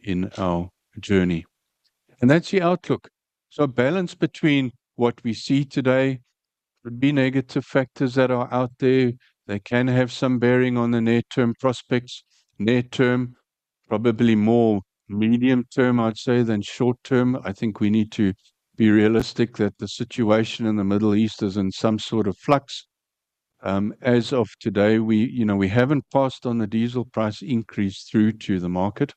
in our journey. That's the outlook. A balance between what we see today would be negative factors that are out there. They can have some bearing on the near-term prospects. Near term, probably more medium term, I'd say, than short term. I think we need to be realistic that the situation in the Middle East is in some of sort of flux. As of today, we haven't passed on the diesel price increase through to the market.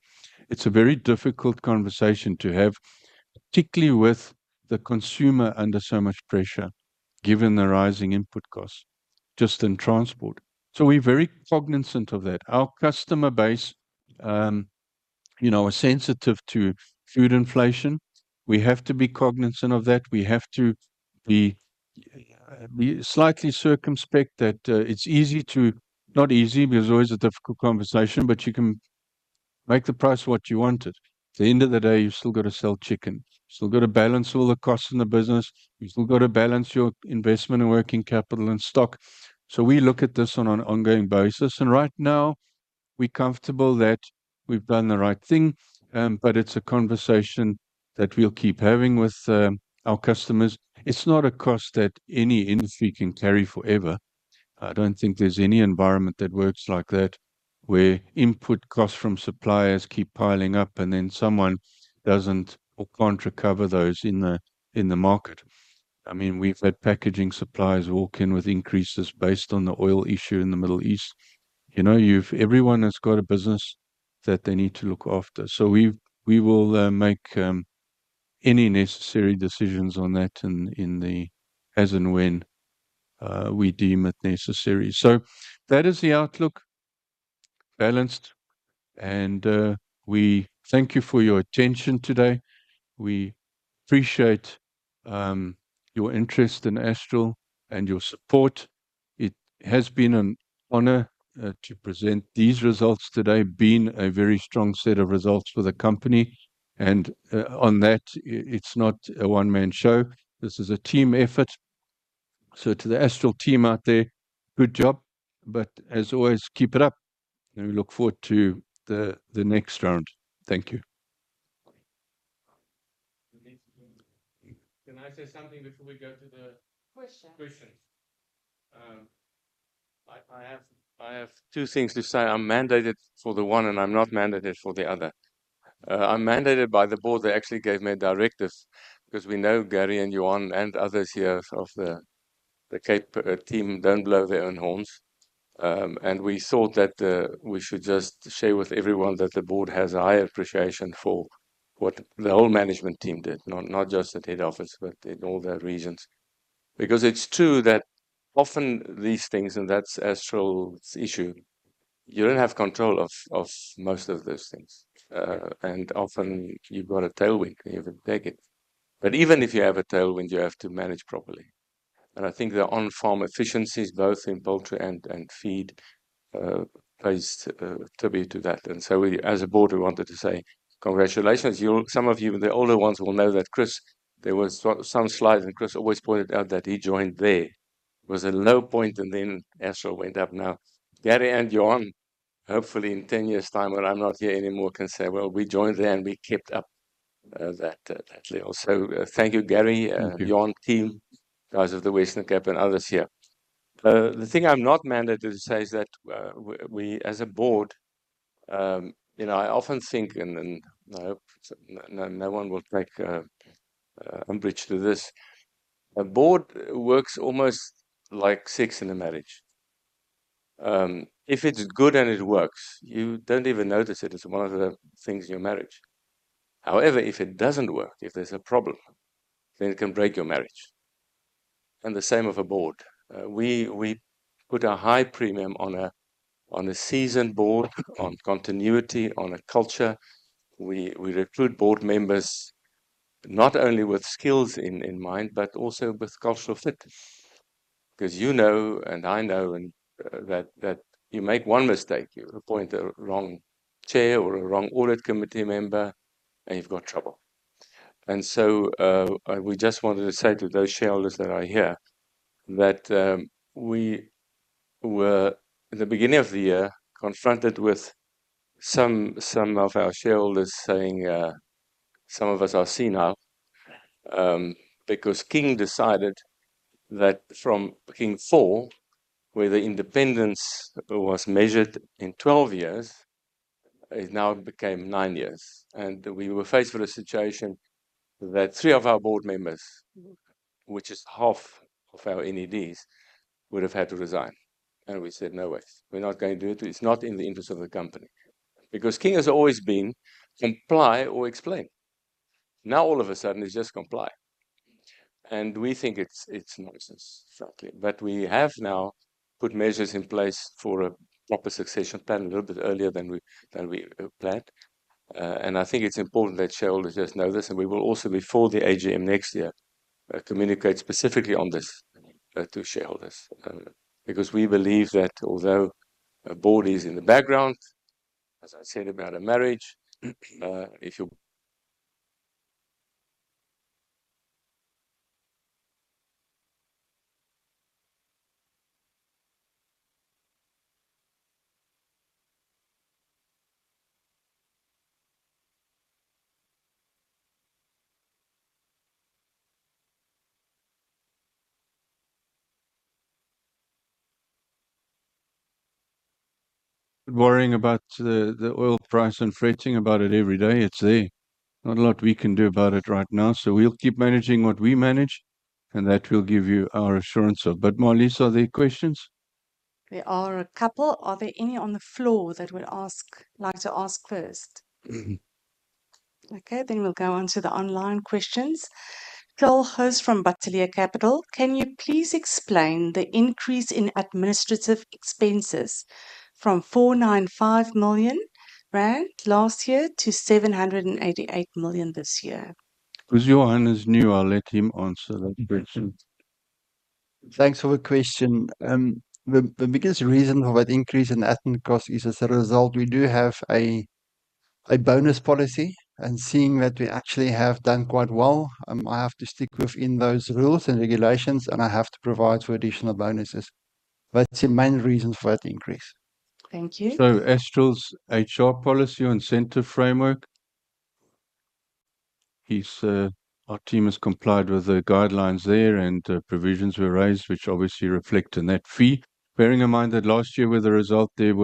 It's a very difficult conversation to have, particularly with the consumer under so much pressure, given the rising input costs just in transport. We're very cognizant of that. Our customer base are sensitive to food inflation. We have to be cognizant of that. We have to be slightly circumspect that it's not easy, because it's always a difficult conversation, but you can make the price what you want it. At the end of the day, you've still got to sell chicken. Still got to balance all the costs in the business. You've still got to balance your investment and working capital and stock. We look at this on an ongoing basis, and right now we're comfortable that we've done the right thing. But it's a conversation that we'll keep having with our customers. It's not a cost that any industry can carry forever. I don't think there's any environment that works like that, where input costs from suppliers keep piling up and then someone doesn't or can't recover those in the market. We've had packaging suppliers walk in with increases based on the oil issue in the Middle East. Everyone has got a business that they need to look after. We will make any necessary decisions on that as and when we deem it necessary. That is the outlook, balanced. We thank you for your attention today. We appreciate your interest in Astral and your support. It has been an honor to present these results today, been a very strong set of results for the company. On that, it's not a one-man show. This is a team effort. To the Astral team out there, good job. As always, keep it up and we look forward to the next round. Thank you. Can I say something before we go to the? Questions Questions? I have two things to say. I'm mandated for the one and I'm not mandated for the other. I'm mandated by the Board. They actually gave me a directive because we know Gary and Johannes and others here of the Cape team don't blow their own horns. We thought that we should just share with everyone that the board has a high appreciation for what the whole management team did, not just the head office, but in all their regions. It's true that often these things, and that's Astral's issue, you don't have control of most of those things. Often you've got a tailwind, you have a beacon. Even if you have a tailwind, you have to manage properly. I think their on-farm efficiencies, both in poultry and feed, pays tribute to that. As a board, we wanted to say congratulations. Some of you, the older ones will know that Chris, there was some slides, and Chris always pointed out that he joined there. It was a low point, and then Astral went up. Gary and Johannes, hopefully in 10 years' time when I'm not here anymore, can say, "Well, we joined there and we kept up that level." Thank you, Gary. Thank you. Johannes, team, guys of the Western Cape and others here. The thing I'm not mandated to say is that we as a Board, I often think, and I hope no one will take umbrage to this, a Board works almost like sex in a marriage. If it's good and it works, you don't even notice it. It's one of the things in your marriage. However, if it doesn't work, if there's a problem, then it can break your marriage. The same of a Board. We put a high premium on a seasoned board, on continuity, on a culture. We recruit Board members not only with skills in mind, but also with cultural fit. Because you know and I know that you make one mistake, you appoint a wrong chair or a wrong audit committee member, and you've got trouble. We just wanted to say to those shareholders that are here that we were, at the beginning of the year, confronted with some of our shareholders saying, some of us are senior. King decided that from King IV, where the independence was measured in 12 years, it now became nine years. We were faced with a situation that three of our Board members, which is half of our NEDs, would have had to resign. We said, "No ways. We're not going to do it. It's not in the interest of the company." King has always been comply or explain. Now all of a sudden, it's just comply. We think it's nonsense frankly. We have now put measures in place for a proper succession plan a little bit earlier than we had planned. I think it's important that shareholders just know this, and we will also, before the AGM next year, communicate specifically on this to shareholders. Because we believe that although a board is in the background, as I said about a marriage, if you're worrying about the oil price and fretting about it every day, it's there. Not a lot we can do about it right now, so we'll keep managing what we manage, and that we'll give you our assurance of. Marlize, are there questions? There are a couple. Are there any on the floor that would like to ask first? Okay, then we'll go onto the online questions. Kyle Gilham from Bateleur Capital. "Can you please explain the increase in administrative expenses from 495 million rand last year to 788 million this year? Because Johannes is new, I'll let him answer that question. Thanks for the question. The biggest reason for that increase in admin cost is as a result, we do have a bonus policy. Seeing that we actually have done quite well, I have to stick within those rules and regulations, and I have to provide for additional bonuses. That's the main reason for that increase. Thank you. Astral's HR policy incentive framework, our team has complied with the guidelines there and provisions were raised, which obviously reflect in that fee. Bearing in mind that last year with the result, well,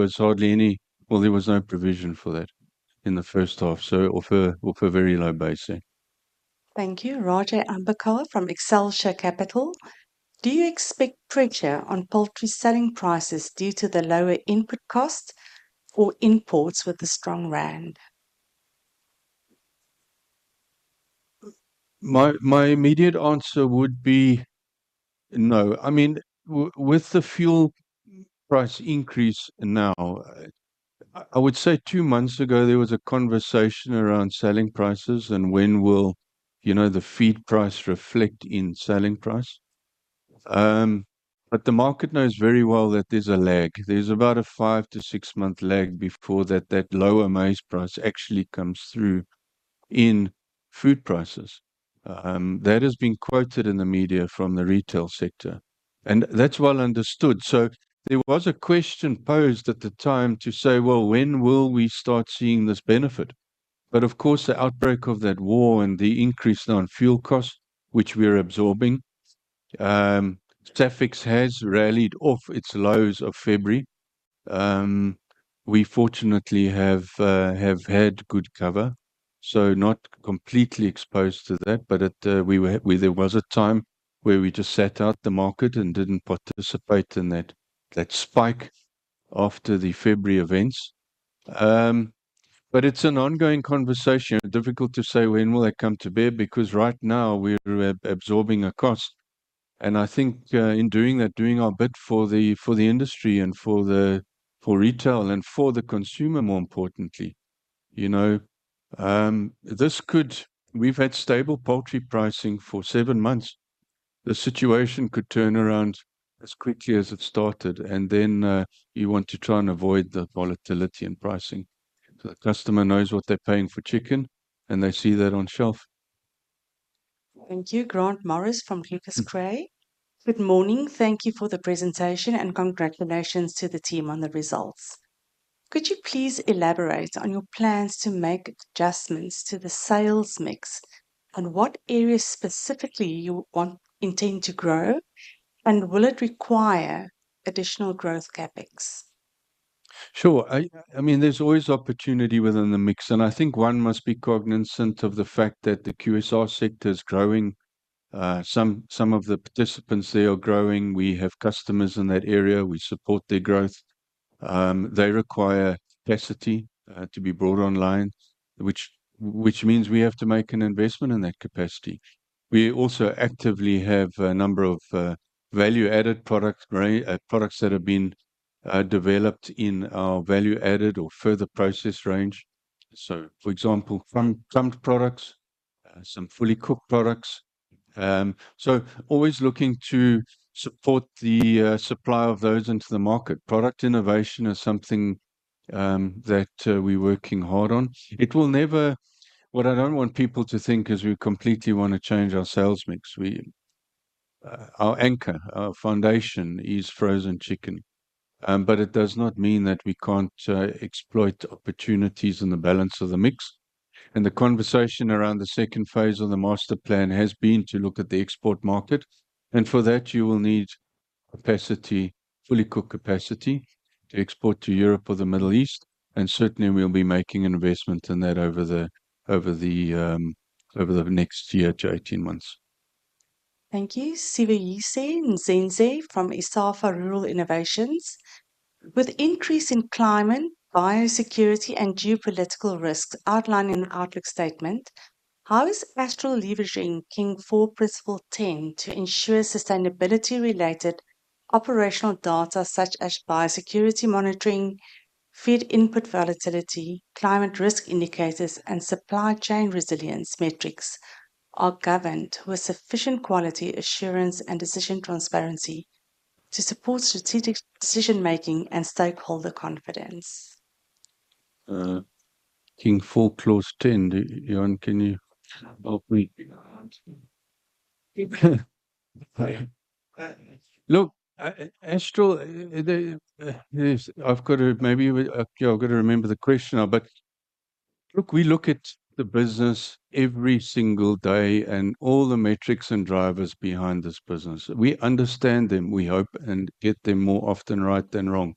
there was no provision for that in the first half, off a very low base there. Thank you. Raj Ambekar from Excelsior Capital. "Do you expect pressure on poultry selling prices due to the lower input costs or imports with the strong rand? My immediate answer would be no. With the fuel price increase now, I would say two months ago, there was a conversation around selling prices and when will the feed price reflect in selling price. The market knows very well that there's a lag. There's about a 5 to 6-month lag before that lower maize price actually comes through in food prices. That has been quoted in the media from the retail sector, and that's well understood. There was a question posed at the time to say, "Well, when will we start seeing this benefit?" Of course, the outbreak of that war and the increase on fuel costs, which we're absorbing. SAFEX has rallied off its lows of February. We fortunately have had good cover, so not completely exposed to that. There was a time where we just sat out the market and didn't participate in that spike after the February events. It's an ongoing conversation. Difficult to say when will that come to bear, because right now we're absorbing a cost. I think in doing that, doing our bit for the industry and for retail and for the consumer, more importantly. We've had stable poultry pricing for seven months. The situation could turn around as quickly as it started, and then you want to try and avoid the volatility in pricing. The customer knows what they're paying for chicken, and they see that on shelf. Thank you. Grant Davids from Aegis. Good morning. Thank you for the presentation, and congratulations to the team on the results. Could you please elaborate on your plans to make adjustments to the sales mix, and what areas specifically you intend to grow, and will it require additional growth CapEx? Sure. There's always opportunity within the mix, and I think one must be cognizant of the fact that the QSR sector is growing. Some of the participants there are growing. We have customers in that area. We support their growth. They require capacity to be brought online, which means we have to make an investment in that capacity. We also actively have a number of value-added products that have been developed in our value-added or further process range. For example, some products, some fully cooked products. Always looking to support the supply of those into the market. Product innovation is something that we're working hard on. What I don't want people to think is we completely want to change our sales mix. Our anchor, our foundation is frozen chicken. It does not mean that we can't exploit opportunities in the balance of the mix. The conversation around the second phase of the Master Plan has been to look at the export market, and for that you will need capacity, fully cooked capacity, to export to Europe or the Middle East, and certainly we'll be making an investment in that over the next one year to 18 months. Thank you. Sivuyile Ngalwa from Visio Capital Innovations. With increase in climate, biosecurity, and geopolitical risks outlined in the outlook statement, how is Astral leveraging King IV Principle 10 to ensure sustainability-related operational data such as biosecurity monitoring, feed input volatility, climate risk indicators, and supply chain resilience metrics are governed with sufficient quality assurance and decision transparency to support strategic decision making and stakeholder confidence? King IV Principle 10. Johannes, can you help me? Astral, I've got to remember the question now, we look at the business every single day and all the metrics and drivers behind this business. We understand them, we hope, get them more often right than wrong.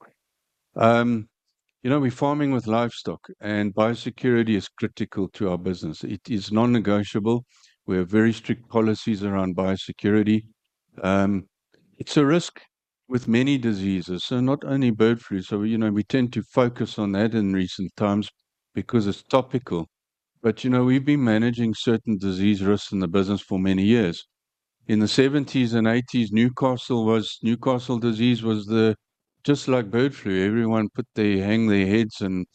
We're farming with livestock, biosecurity is critical to our business. It is non-negotiable. We have very strict policies around biosecurity. It's a risk with many diseases, not only bird flu. We tend to focus on that in recent times because it's topical. We've been managing certain disease risks in the business for many years. In the 1970s and 1980s, Newcastle disease was just like bird flu. Everyone hang their heads and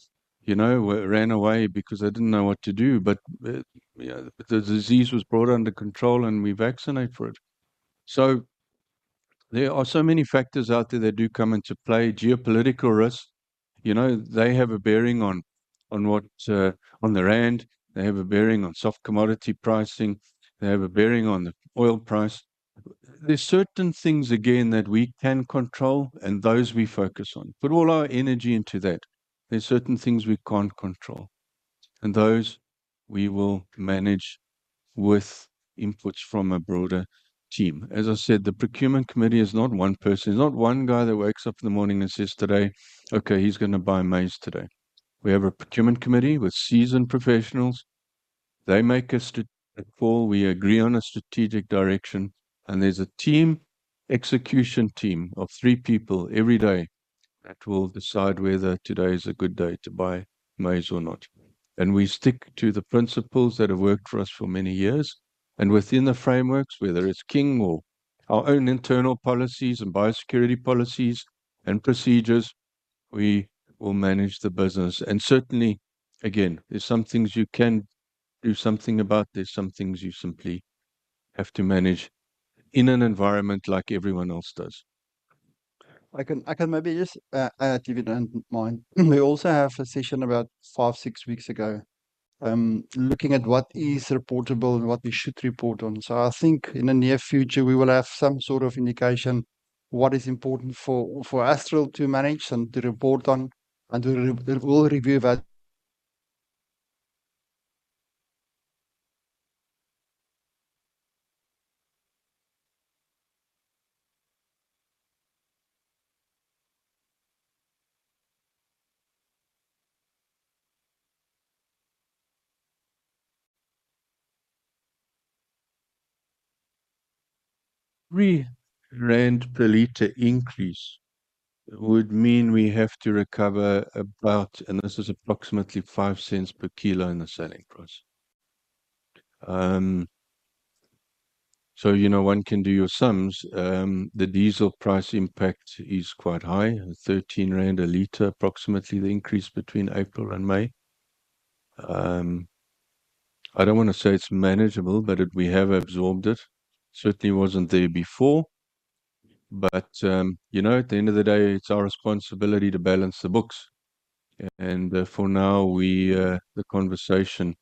ran away because they didn't know what to do. The disease was brought under control, we vaccinate for it. There are so many factors out there that do come into play. Geopolitical risks, they have a bearing on the rand, they have a bearing on soft commodity pricing, they have a bearing on the oil price. There's certain things, again, that we can control and those we focus on. Put all our energy into that. There's certain things we can't control, and those we will manage with inputs from a broader team. As I said, the procurement committee is not one person. It's not one guy that wakes up in the morning and says today, Okay, he's going to buy maize today. We have a procurement committee with seasoned professionals. They make a strategic call. We agree on a strategic direction, and there's a team, execution team of three people every day that will decide whether today is a good day to buy maize or not. We stick to the principles that have worked for us for many years. Within the frameworks, whether it's King or our own internal policies and biosecurity policies and procedures, we will manage the business. Certainly, again, there's some things you can do something about, there's some things you simply have to manage in an environment like everyone else does. I can maybe just add if you don't mind. We also have a session about five, six weeks ago, looking at what is reportable and what we should report on. I think in the near future, we will have some sort of indication what is important for Astral to manage and to report on, and we'll review that. ZAR 3 per liter increase would mean we have to recover about, and this is approximately 0.05 per kilo in the selling price. One can do your sums. The diesel price impact is quite high, at 13 rand a liter, approximately the increase between April and May. I don't want to say it's manageable, but we have absorbed it. Certainly wasn't there before. At the end of the day, it's our responsibility to balance the books. For now, the conversation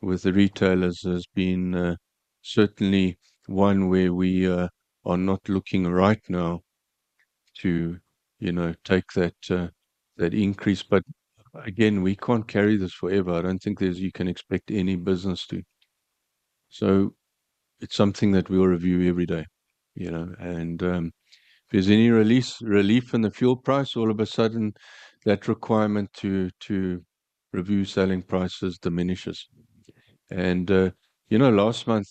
with the retailers has been certainly one where we are not looking right now to take that increase. Again, we can't carry this forever. I don't think you can expect any business to. It's something that we'll review every day. If there's any relief in the fuel price, all of a sudden that requirement to review selling prices diminishes. Last month,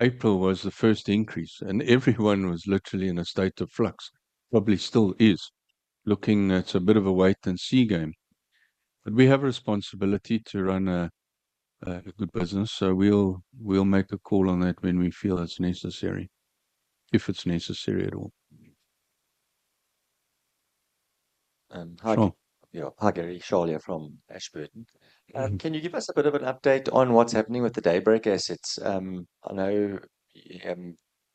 April was the first increase. Everyone was literally in a state of flux. Probably still is. Looking at a bit of a wait and see game. We have a responsibility to run a good business. We'll make a call on that when we feel it's necessary, if it's necessary at all. Hello- Sure Yeah. Gary Shaw here from Ashburton. Can you give us a bit of an update on what's happening with the Daybreak Foods assets? I know you have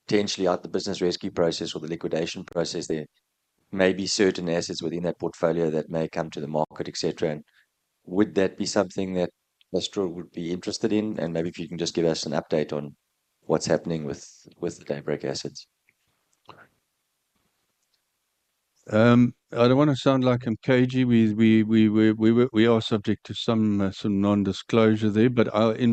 potentially out the business rescue process or the liquidation process there may be certain assets within that portfolio that may come to the market, et cetera. Would that be something that Astral Foods would be interested in? Maybe if you can just give us an update on what's happening with the Daybreak Foods assets. I don't want to sound like I'm cagey. In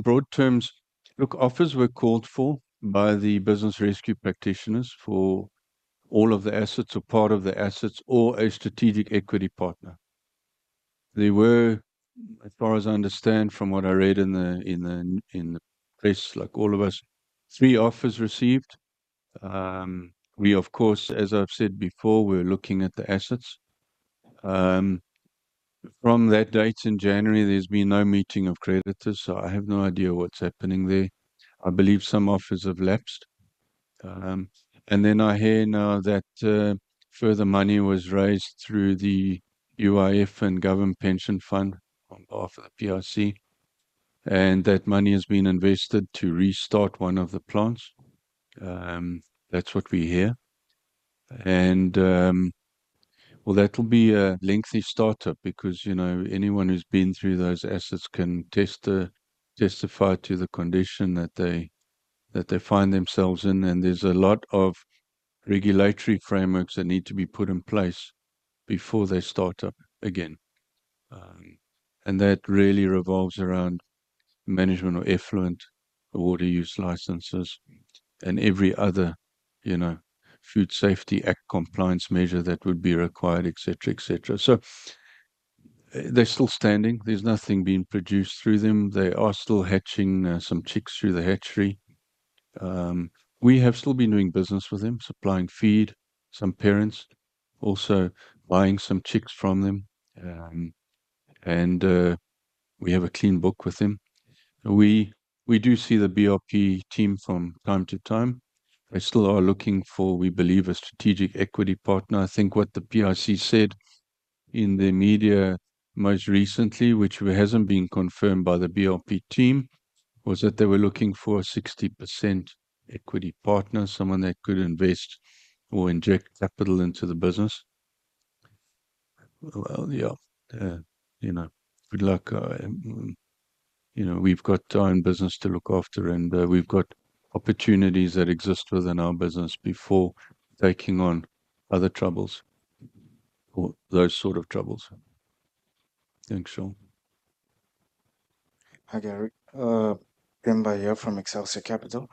broad terms, look, offers were called for by the business rescue practitioners for all of the assets or part of the assets or a strategic equity partner. There were, as far as I understand from what I read in the press, like all of us, three offers received. We, of course, as I've said before, we're looking at the assets. From that date in January, there's been no meeting of creditors, so I have no idea what's happening there. I believe some offers have lapsed. I hear now that further money was raised through the UIF and Government Pension Fund on behalf of the PIC, and that money has been invested to restart one of the plants. That's what we hear. Well, that will be a lengthy startup because anyone who's been through those assets can testify to the condition that they find themselves in, and there's a lot of regulatory frameworks that need to be put in place before they start up again. That really revolves around management of effluent, water use licenses, and every other Food Safety Act compliance measure that would be required, et cetera. They're still standing. There's nothing being produced through them. They are still hatching some chicks through the hatchery. We have still been doing business with them, supplying feed, some parents also buying some chicks from them. We have a clean book with them. We do see the BRP team from time to time. They still are looking for, we believe, a strategic equity partner. I think what the PIC said in the media most recently, which hasn't been confirmed by the BRP team, was that they were looking for a 60% equity partner, someone that could invest or inject capital into the business. Well, yeah. Good luck. We've got our own business to look after, and we've got opportunities that exist within our business before taking on other troubles or those sort of troubles. Thanks, Shaw. Hi, Gary. Pemba here from Excelsior Capital.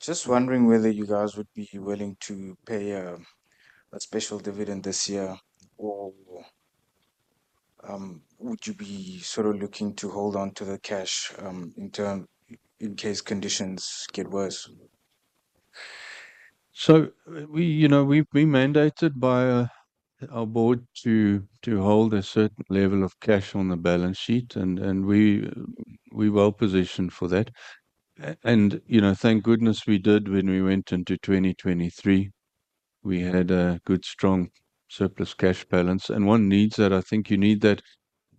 Just wondering whether you guys would be willing to pay a special dividend this year or would you be sort of looking to hold onto the cash in case conditions get worse? We're mandated by our board to hold a certain level of cash on the balance sheet, and we're well positioned for that. Thank goodness we did when we went into 2023. We had a good, strong surplus cash balance. One needs that. I think you need that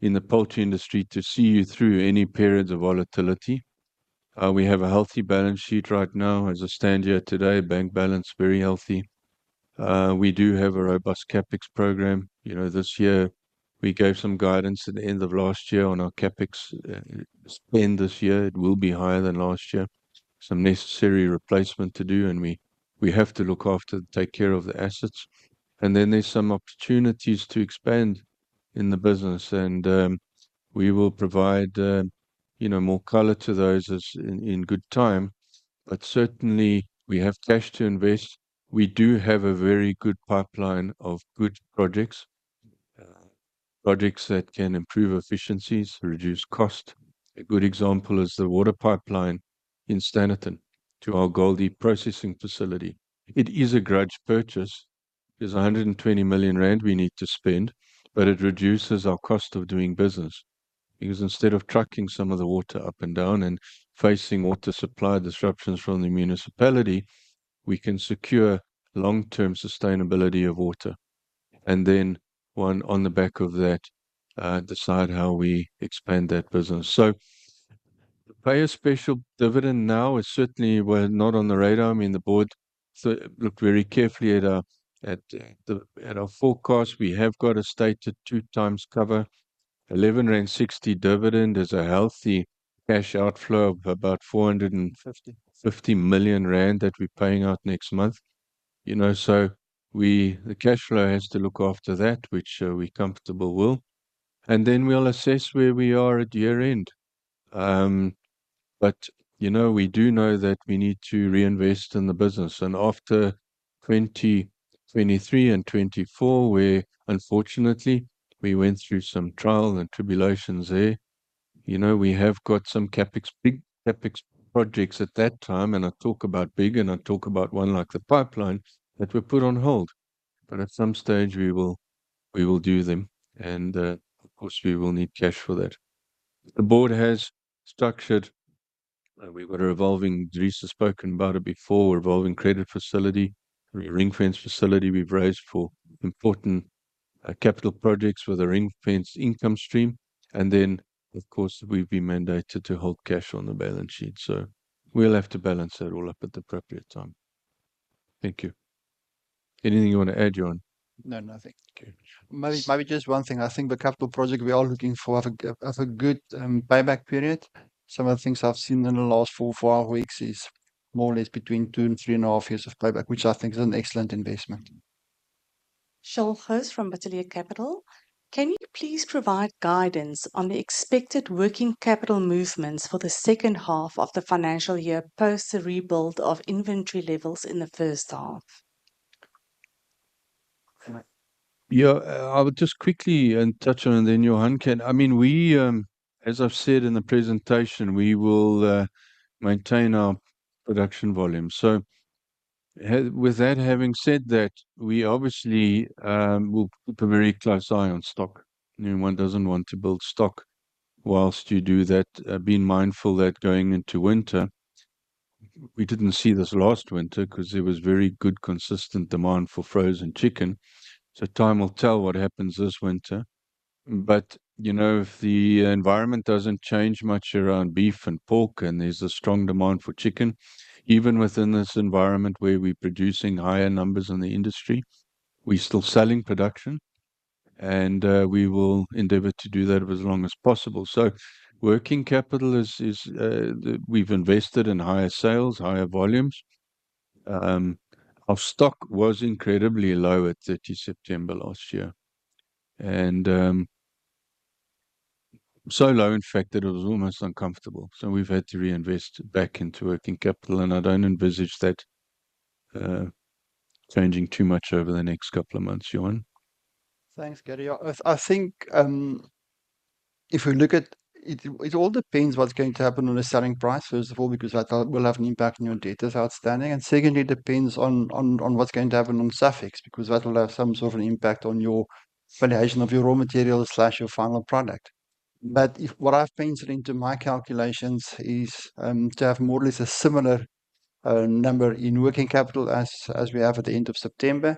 in the poultry industry to see you through any periods of volatility. We have a healthy balance sheet right now. As I stand here today, bank balance very healthy. We do have a robust CapEx program. This year, we gave some guidance at the end of last year on our CapEx spend this year. It will be higher than last year. Some necessary replacement to do, and we have to look after, take care of the assets. There's some opportunities to expand in the business, and we will provide more color to those in good time. Certainly, we have cash to invest. We do have a very good pipeline of good projects. Projects that can improve efficiencies, reduce cost. A good example is the water pipeline in Standerton to our Goldi processing facility. It is a grudge purchase. There's 120 million rand we need to spend, but it reduces our cost of doing business. Instead of trucking some of the water up and down and facing water supply disruptions from the municipality, we can secure long-term sustainability of water. Then one on the back of that, decide how we expand that business. To pay a special dividend now is certainly not on the radar. I mean, the board looked very carefully at our forecast. We have got a stated 2x cover. 11.60 rand dividend is a healthy cash outflow of about 450 million rand that we're paying out next month. The cash flow has to look after that, which we comfortable will. We'll assess where we are at year-end. We do know that we need to reinvest in the business. After 2023 and 2024, where unfortunately we went through some trial and tribulations there. We have got some CapEx, big CapEx projects at that time, and I talk about big and I talk about one like the pipeline that were put on hold. At some stage, we will do them and, of course, we will need cash for that. The board has structured, we've got a revolving Teresa's spoken about it before, revolving credit facility. We ring-fence facility we've raised for important capital projects with a ring-fence income stream. Of course, we've been mandated to hold cash on the balance sheet. We'll have to balance that all up at the appropriate time. Thank you. Anything you want to add, Johannes? No, nothing. Okay. Maybe just one thing. I think the capital project we are looking for has a good payback period. Some of the things I've seen in the last four or five weeks is more or less between two and three and a half years of payback, which I think is an excellent investment. De Wet Schutte from Bateleur Capital. Can you please provide guidance on the expected working capital movements for the second half of the financial year post the rebuild of inventory levels in the first half? Yeah. I would just quickly touch on and then Johannes can-- As I've said in the presentation, we will maintain our production volume. With that, having said that, we obviously will keep a very close eye on stock. One doesn't want to build stock whilst you do that, being mindful that going into winter. We didn't see this last winter because there was very good consistent demand for frozen chicken. Time will tell what happens this winter. If the environment doesn't change much around beef and pork and there's a strong demand for chicken, even within this environment where we're producing higher numbers in the industry, we still selling production and we will endeavor to do that for as long as possible. Working capital is we've invested in higher sales, higher volumes. Our stock was incredibly low at 30 September last year. Low, in fact, that it was almost uncomfortable. We've had to reinvest back into working capital, and I don't envisage that changing too much over the next couple of months. Johannes. Thanks, Gary. I think if we look at it all depends what's going to happen on the selling price, first of all, because that will have an impact on your debtors outstanding. Secondly, it depends on what's going to happen on SAFEX, because that will have some sort of an impact on your valuation of your raw materials/your final product. What I've penciled into my calculations is to have more or less a similar number in working capital as we have at the end of September.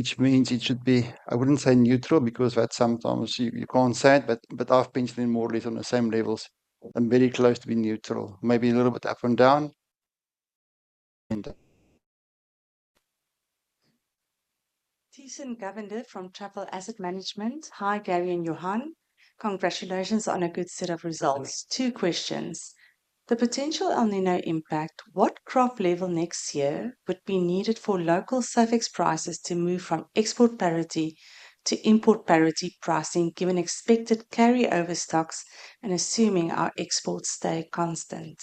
Which means it should be, I wouldn't say neutral, because that sometimes you can't say it, but I've penciled in more or less on the same levels and very close to being neutral, maybe a little bit up and down. Tyson Govender from Truffle Asset Management. Hi, Gary and Johannes. Congratulations on a good set of results. Two questions. The potential El Niño impact. What crop level next year would be needed for local SAFEX prices to move from export parity to import parity pricing, given expected carryover stocks and assuming our exports stay constant?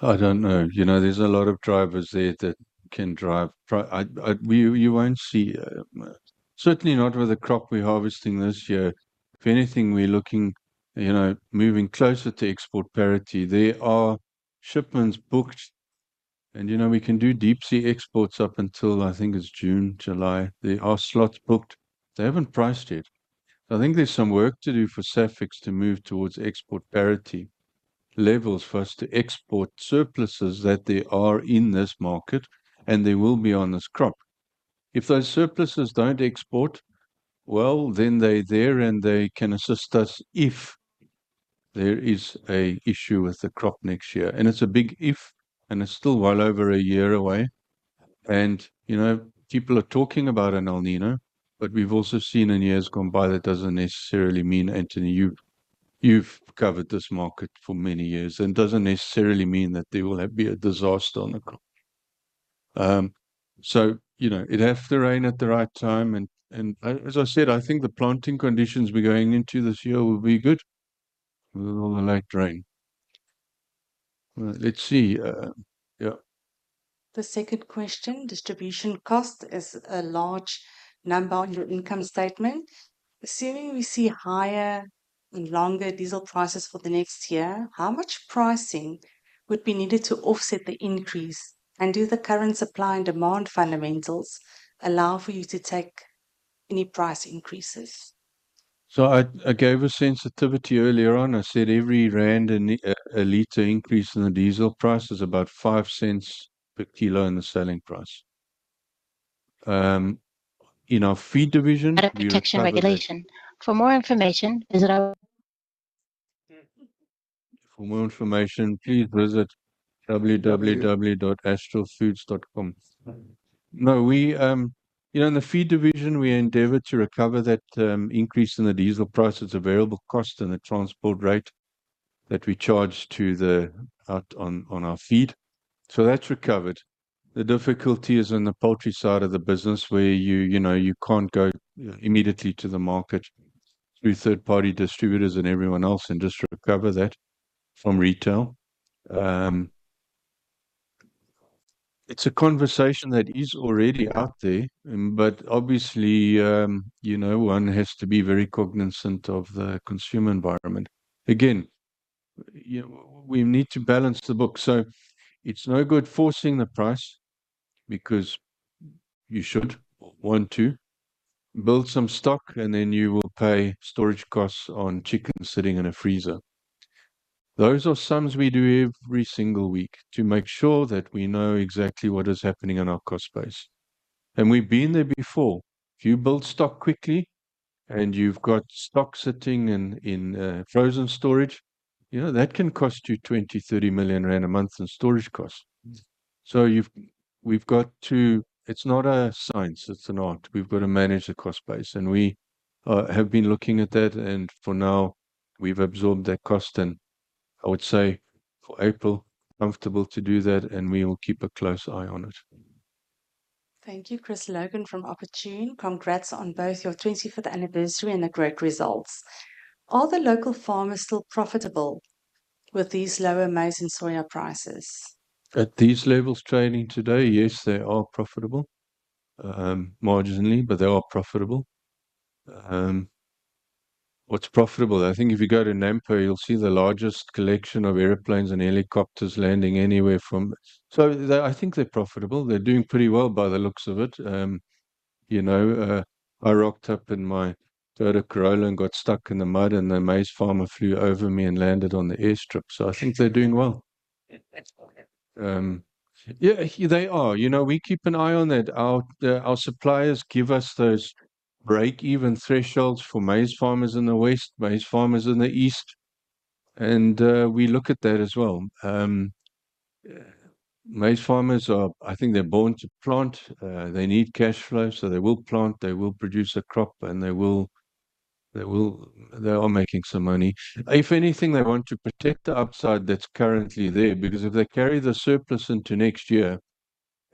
I don't know. There's a lot of drivers there that can drive. You won't see, certainly not with the crop we're harvesting this year. If anything, we're looking, moving closer to export parity. There are shipments booked, and we can do deep sea exports up until I think it's June, July. There are slots booked. They haven't priced yet. I think there's some work to do for SAFEX to move towards export parity levels for us to export surpluses that there are in this market, and there will be on this crop. If those surpluses don't export, well, then they're there and they can assist us if there is an issue with the crop next year. It's a big if, and it's still well over a year away. People are talking about an El Niño, but we've also seen in years gone by that doesn't necessarily mean. Anthony, you've covered this market for many years, it doesn't necessarily mean that there will be a disaster on the crop. It have to rain at the right time. As I said, I think the planting conditions we're going into this year will be good. With all the late rain. Let's see. Yeah. The second question, distribution cost is a large number on your income statement. Assuming we see higher and longer diesel prices for the next year, how much pricing would be needed to offset the increase? Do the current supply and demand fundamentals allow for you to take any price increases? I gave a sensitivity earlier on. I said every rand and a liter increase in the diesel price is about 0.05 per kilo in the selling price. In the Feed division, we endeavor to recover that increase in the diesel price. It's a variable cost and a transport rate that we charge out on our feed. That's recovered. The difficulty is on the poultry side of the business where you can't go immediately to the market through third-party distributors and everyone else and just recover that from retail. It's a conversation that is already out there, but obviously, one has to be very cognizant of the consumer environment. Again, we need to balance the books. It's no good forcing the price because you should or want to build some stock, and then you will pay storage costs on chickens sitting in a freezer. Those are sums we do every single week to make sure that we know exactly what is happening in our cost base. We've been there before. If you build stock quickly and you've got stock sitting in frozen storage, that can cost you 20 million-30 million rand a month in storage costs. It's not a science, it's an art. We've got to manage the cost base. We have been looking at that, and for now we've absorbed that cost and I would say for April, comfortable to do that and we will keep a close eye on it. Thank you, Chris Logan from Opportune Investments. Congrats on both your 25th anniversary and the great results. Are the local farmers still profitable with these lower maize and soya prices? At these levels trading today, yes, they are profitable. Marginally, they are profitable. What's profitable? I think if you go to Nampo, you'll see the largest collection of airplanes and helicopters. I think they're profitable. They're doing pretty well by the looks of it. I rocked up in my Toyota Corolla and got stuck in the mud. The maize farmer flew over me and landed on the airstrip. I think they're doing well. That's funny. Yeah, they are. We keep an eye on that. Our suppliers give us those break-even thresholds for maize farmers in the west, maize farmers in the east, and we look at that as well. Maize farmers are, I think they're born to plant. They need cash flow, so they will plant, they will produce a crop, and they are making some money. If anything, they want to protect the upside that's currently there, because if they carry the surplus into next year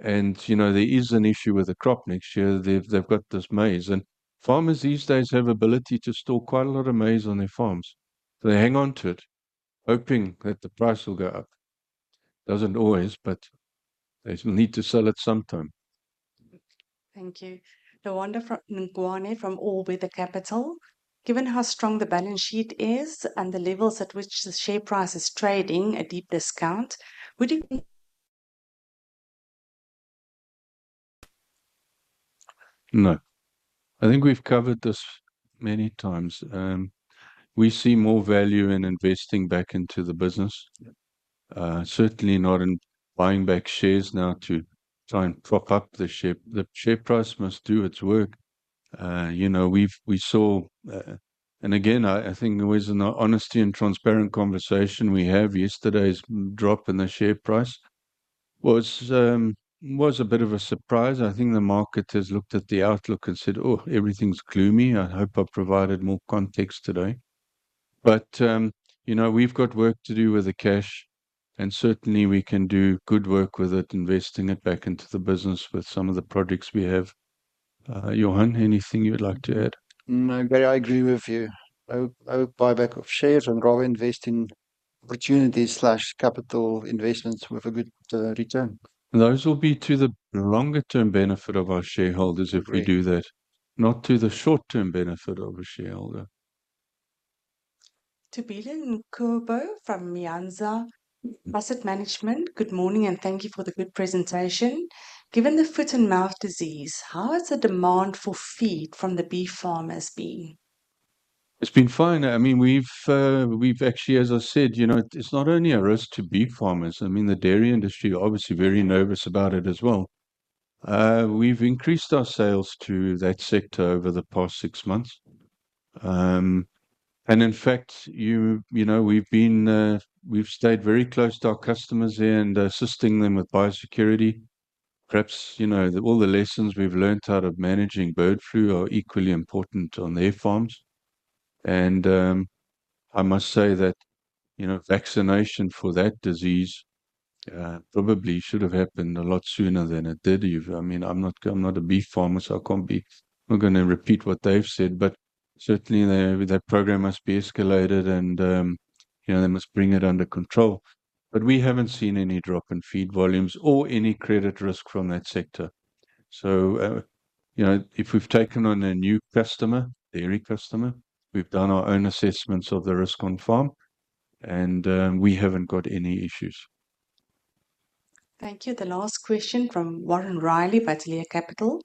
and there is an issue with the crop next year, they've got this maize. Farmers these days have ability to store quite a lot of maize on their farms. They hang on to it hoping that the price will go up. Doesn't always, but they will need to sell it sometime. Thank you. Mawande Nkoane from All Weather Capital. Given how strong the balance sheet is and the levels at which the share price is trading, a deep discount, would you- No. I think we've covered this many times. We see more value in investing back into the business. Yeah. Certainly not in buying back shares now to try and prop up the share. The share price must do its work. We saw, and again, I think there was an honesty and transparent conversation we have. Yesterday's drop in the share price was a bit of a surprise. I think the market has looked at the outlook and said, "Oh, everything's gloomy." I hope I've provided more context today. We've got work to do with the cash, and certainly we can do good work with it, investing it back into the business with some of the projects we have. Johannes, anything you would like to add? No, Gary, I agree with you. I would buy back of shares and rather invest in opportunities/capital investments with a good return. Those will be to the longer term benefit of our shareholders if we do that. Correct. Not to the short-term benefit of a shareholder. Thobeka Nkqubo from Mianzo Asset Management. Good morning, thank you for the good presentation. Given the foot-and-mouth disease, how has the demand for feed from the beef farmers been? It's been fine. We've actually, as I said, it's not only a risk to beef farmers. The dairy industry are obviously very nervous about it as well. We've increased our sales to that sector over the past six months. In fact, we've stayed very close to our customers there and assisting them with biosecurity. Perhaps all the lessons we've learned out of managing bird flu are equally important on their farms. I must say that vaccination for that disease probably should have happened a lot sooner than it did. I'm not a beef farmer, so I'm not going to repeat what they've said. Certainly, that program must be escalated and they must bring it under control. We haven't seen any drop in feed volumes or any credit risk from that sector. If we've taken on a new customer, dairy customer, we've done our own assessments of the risk on farm, and we haven't got any issues. Thank you. The last question from Warren Riley, Bateleur Capital.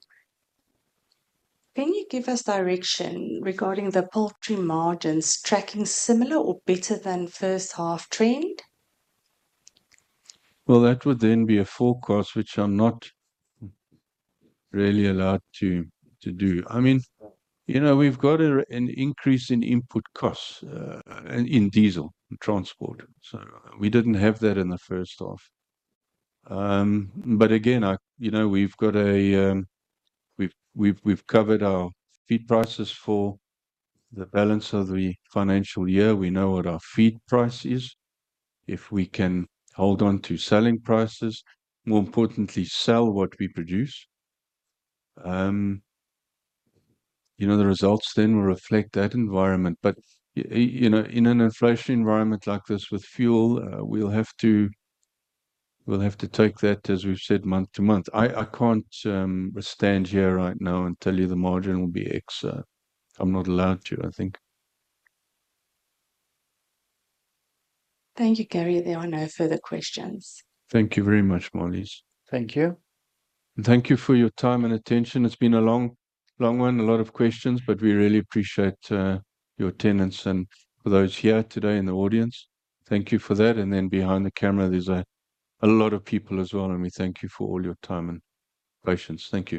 Can you give us direction regarding the poultry margins tracking similar or better than first half trend? Well, that would be a forecast which I'm not really allowed to do. We've got an increase in input costs in diesel and transport. We didn't have that in the first half. Again, we've covered our feed prices for the balance of the financial year. We know what our feed price is. If we can hold on to selling prices, more importantly, sell what we produce. The results will reflect that environment. In an inflation environment like this with fuel, we'll have to take that, as we've said, month to month. I can't stand here right now and tell you the margin will be X. I'm not allowed to, I think. Thank you, Gary. There are no further questions. Thank you very much, Marlize. Thank you. Thank you for your time and attention. It's been a long one, a lot of questions, but we really appreciate your attendance. For those here today in the audience, thank you for that. Then behind the camera, there's a lot of people as well, and we thank you for all your time and patience. Thank you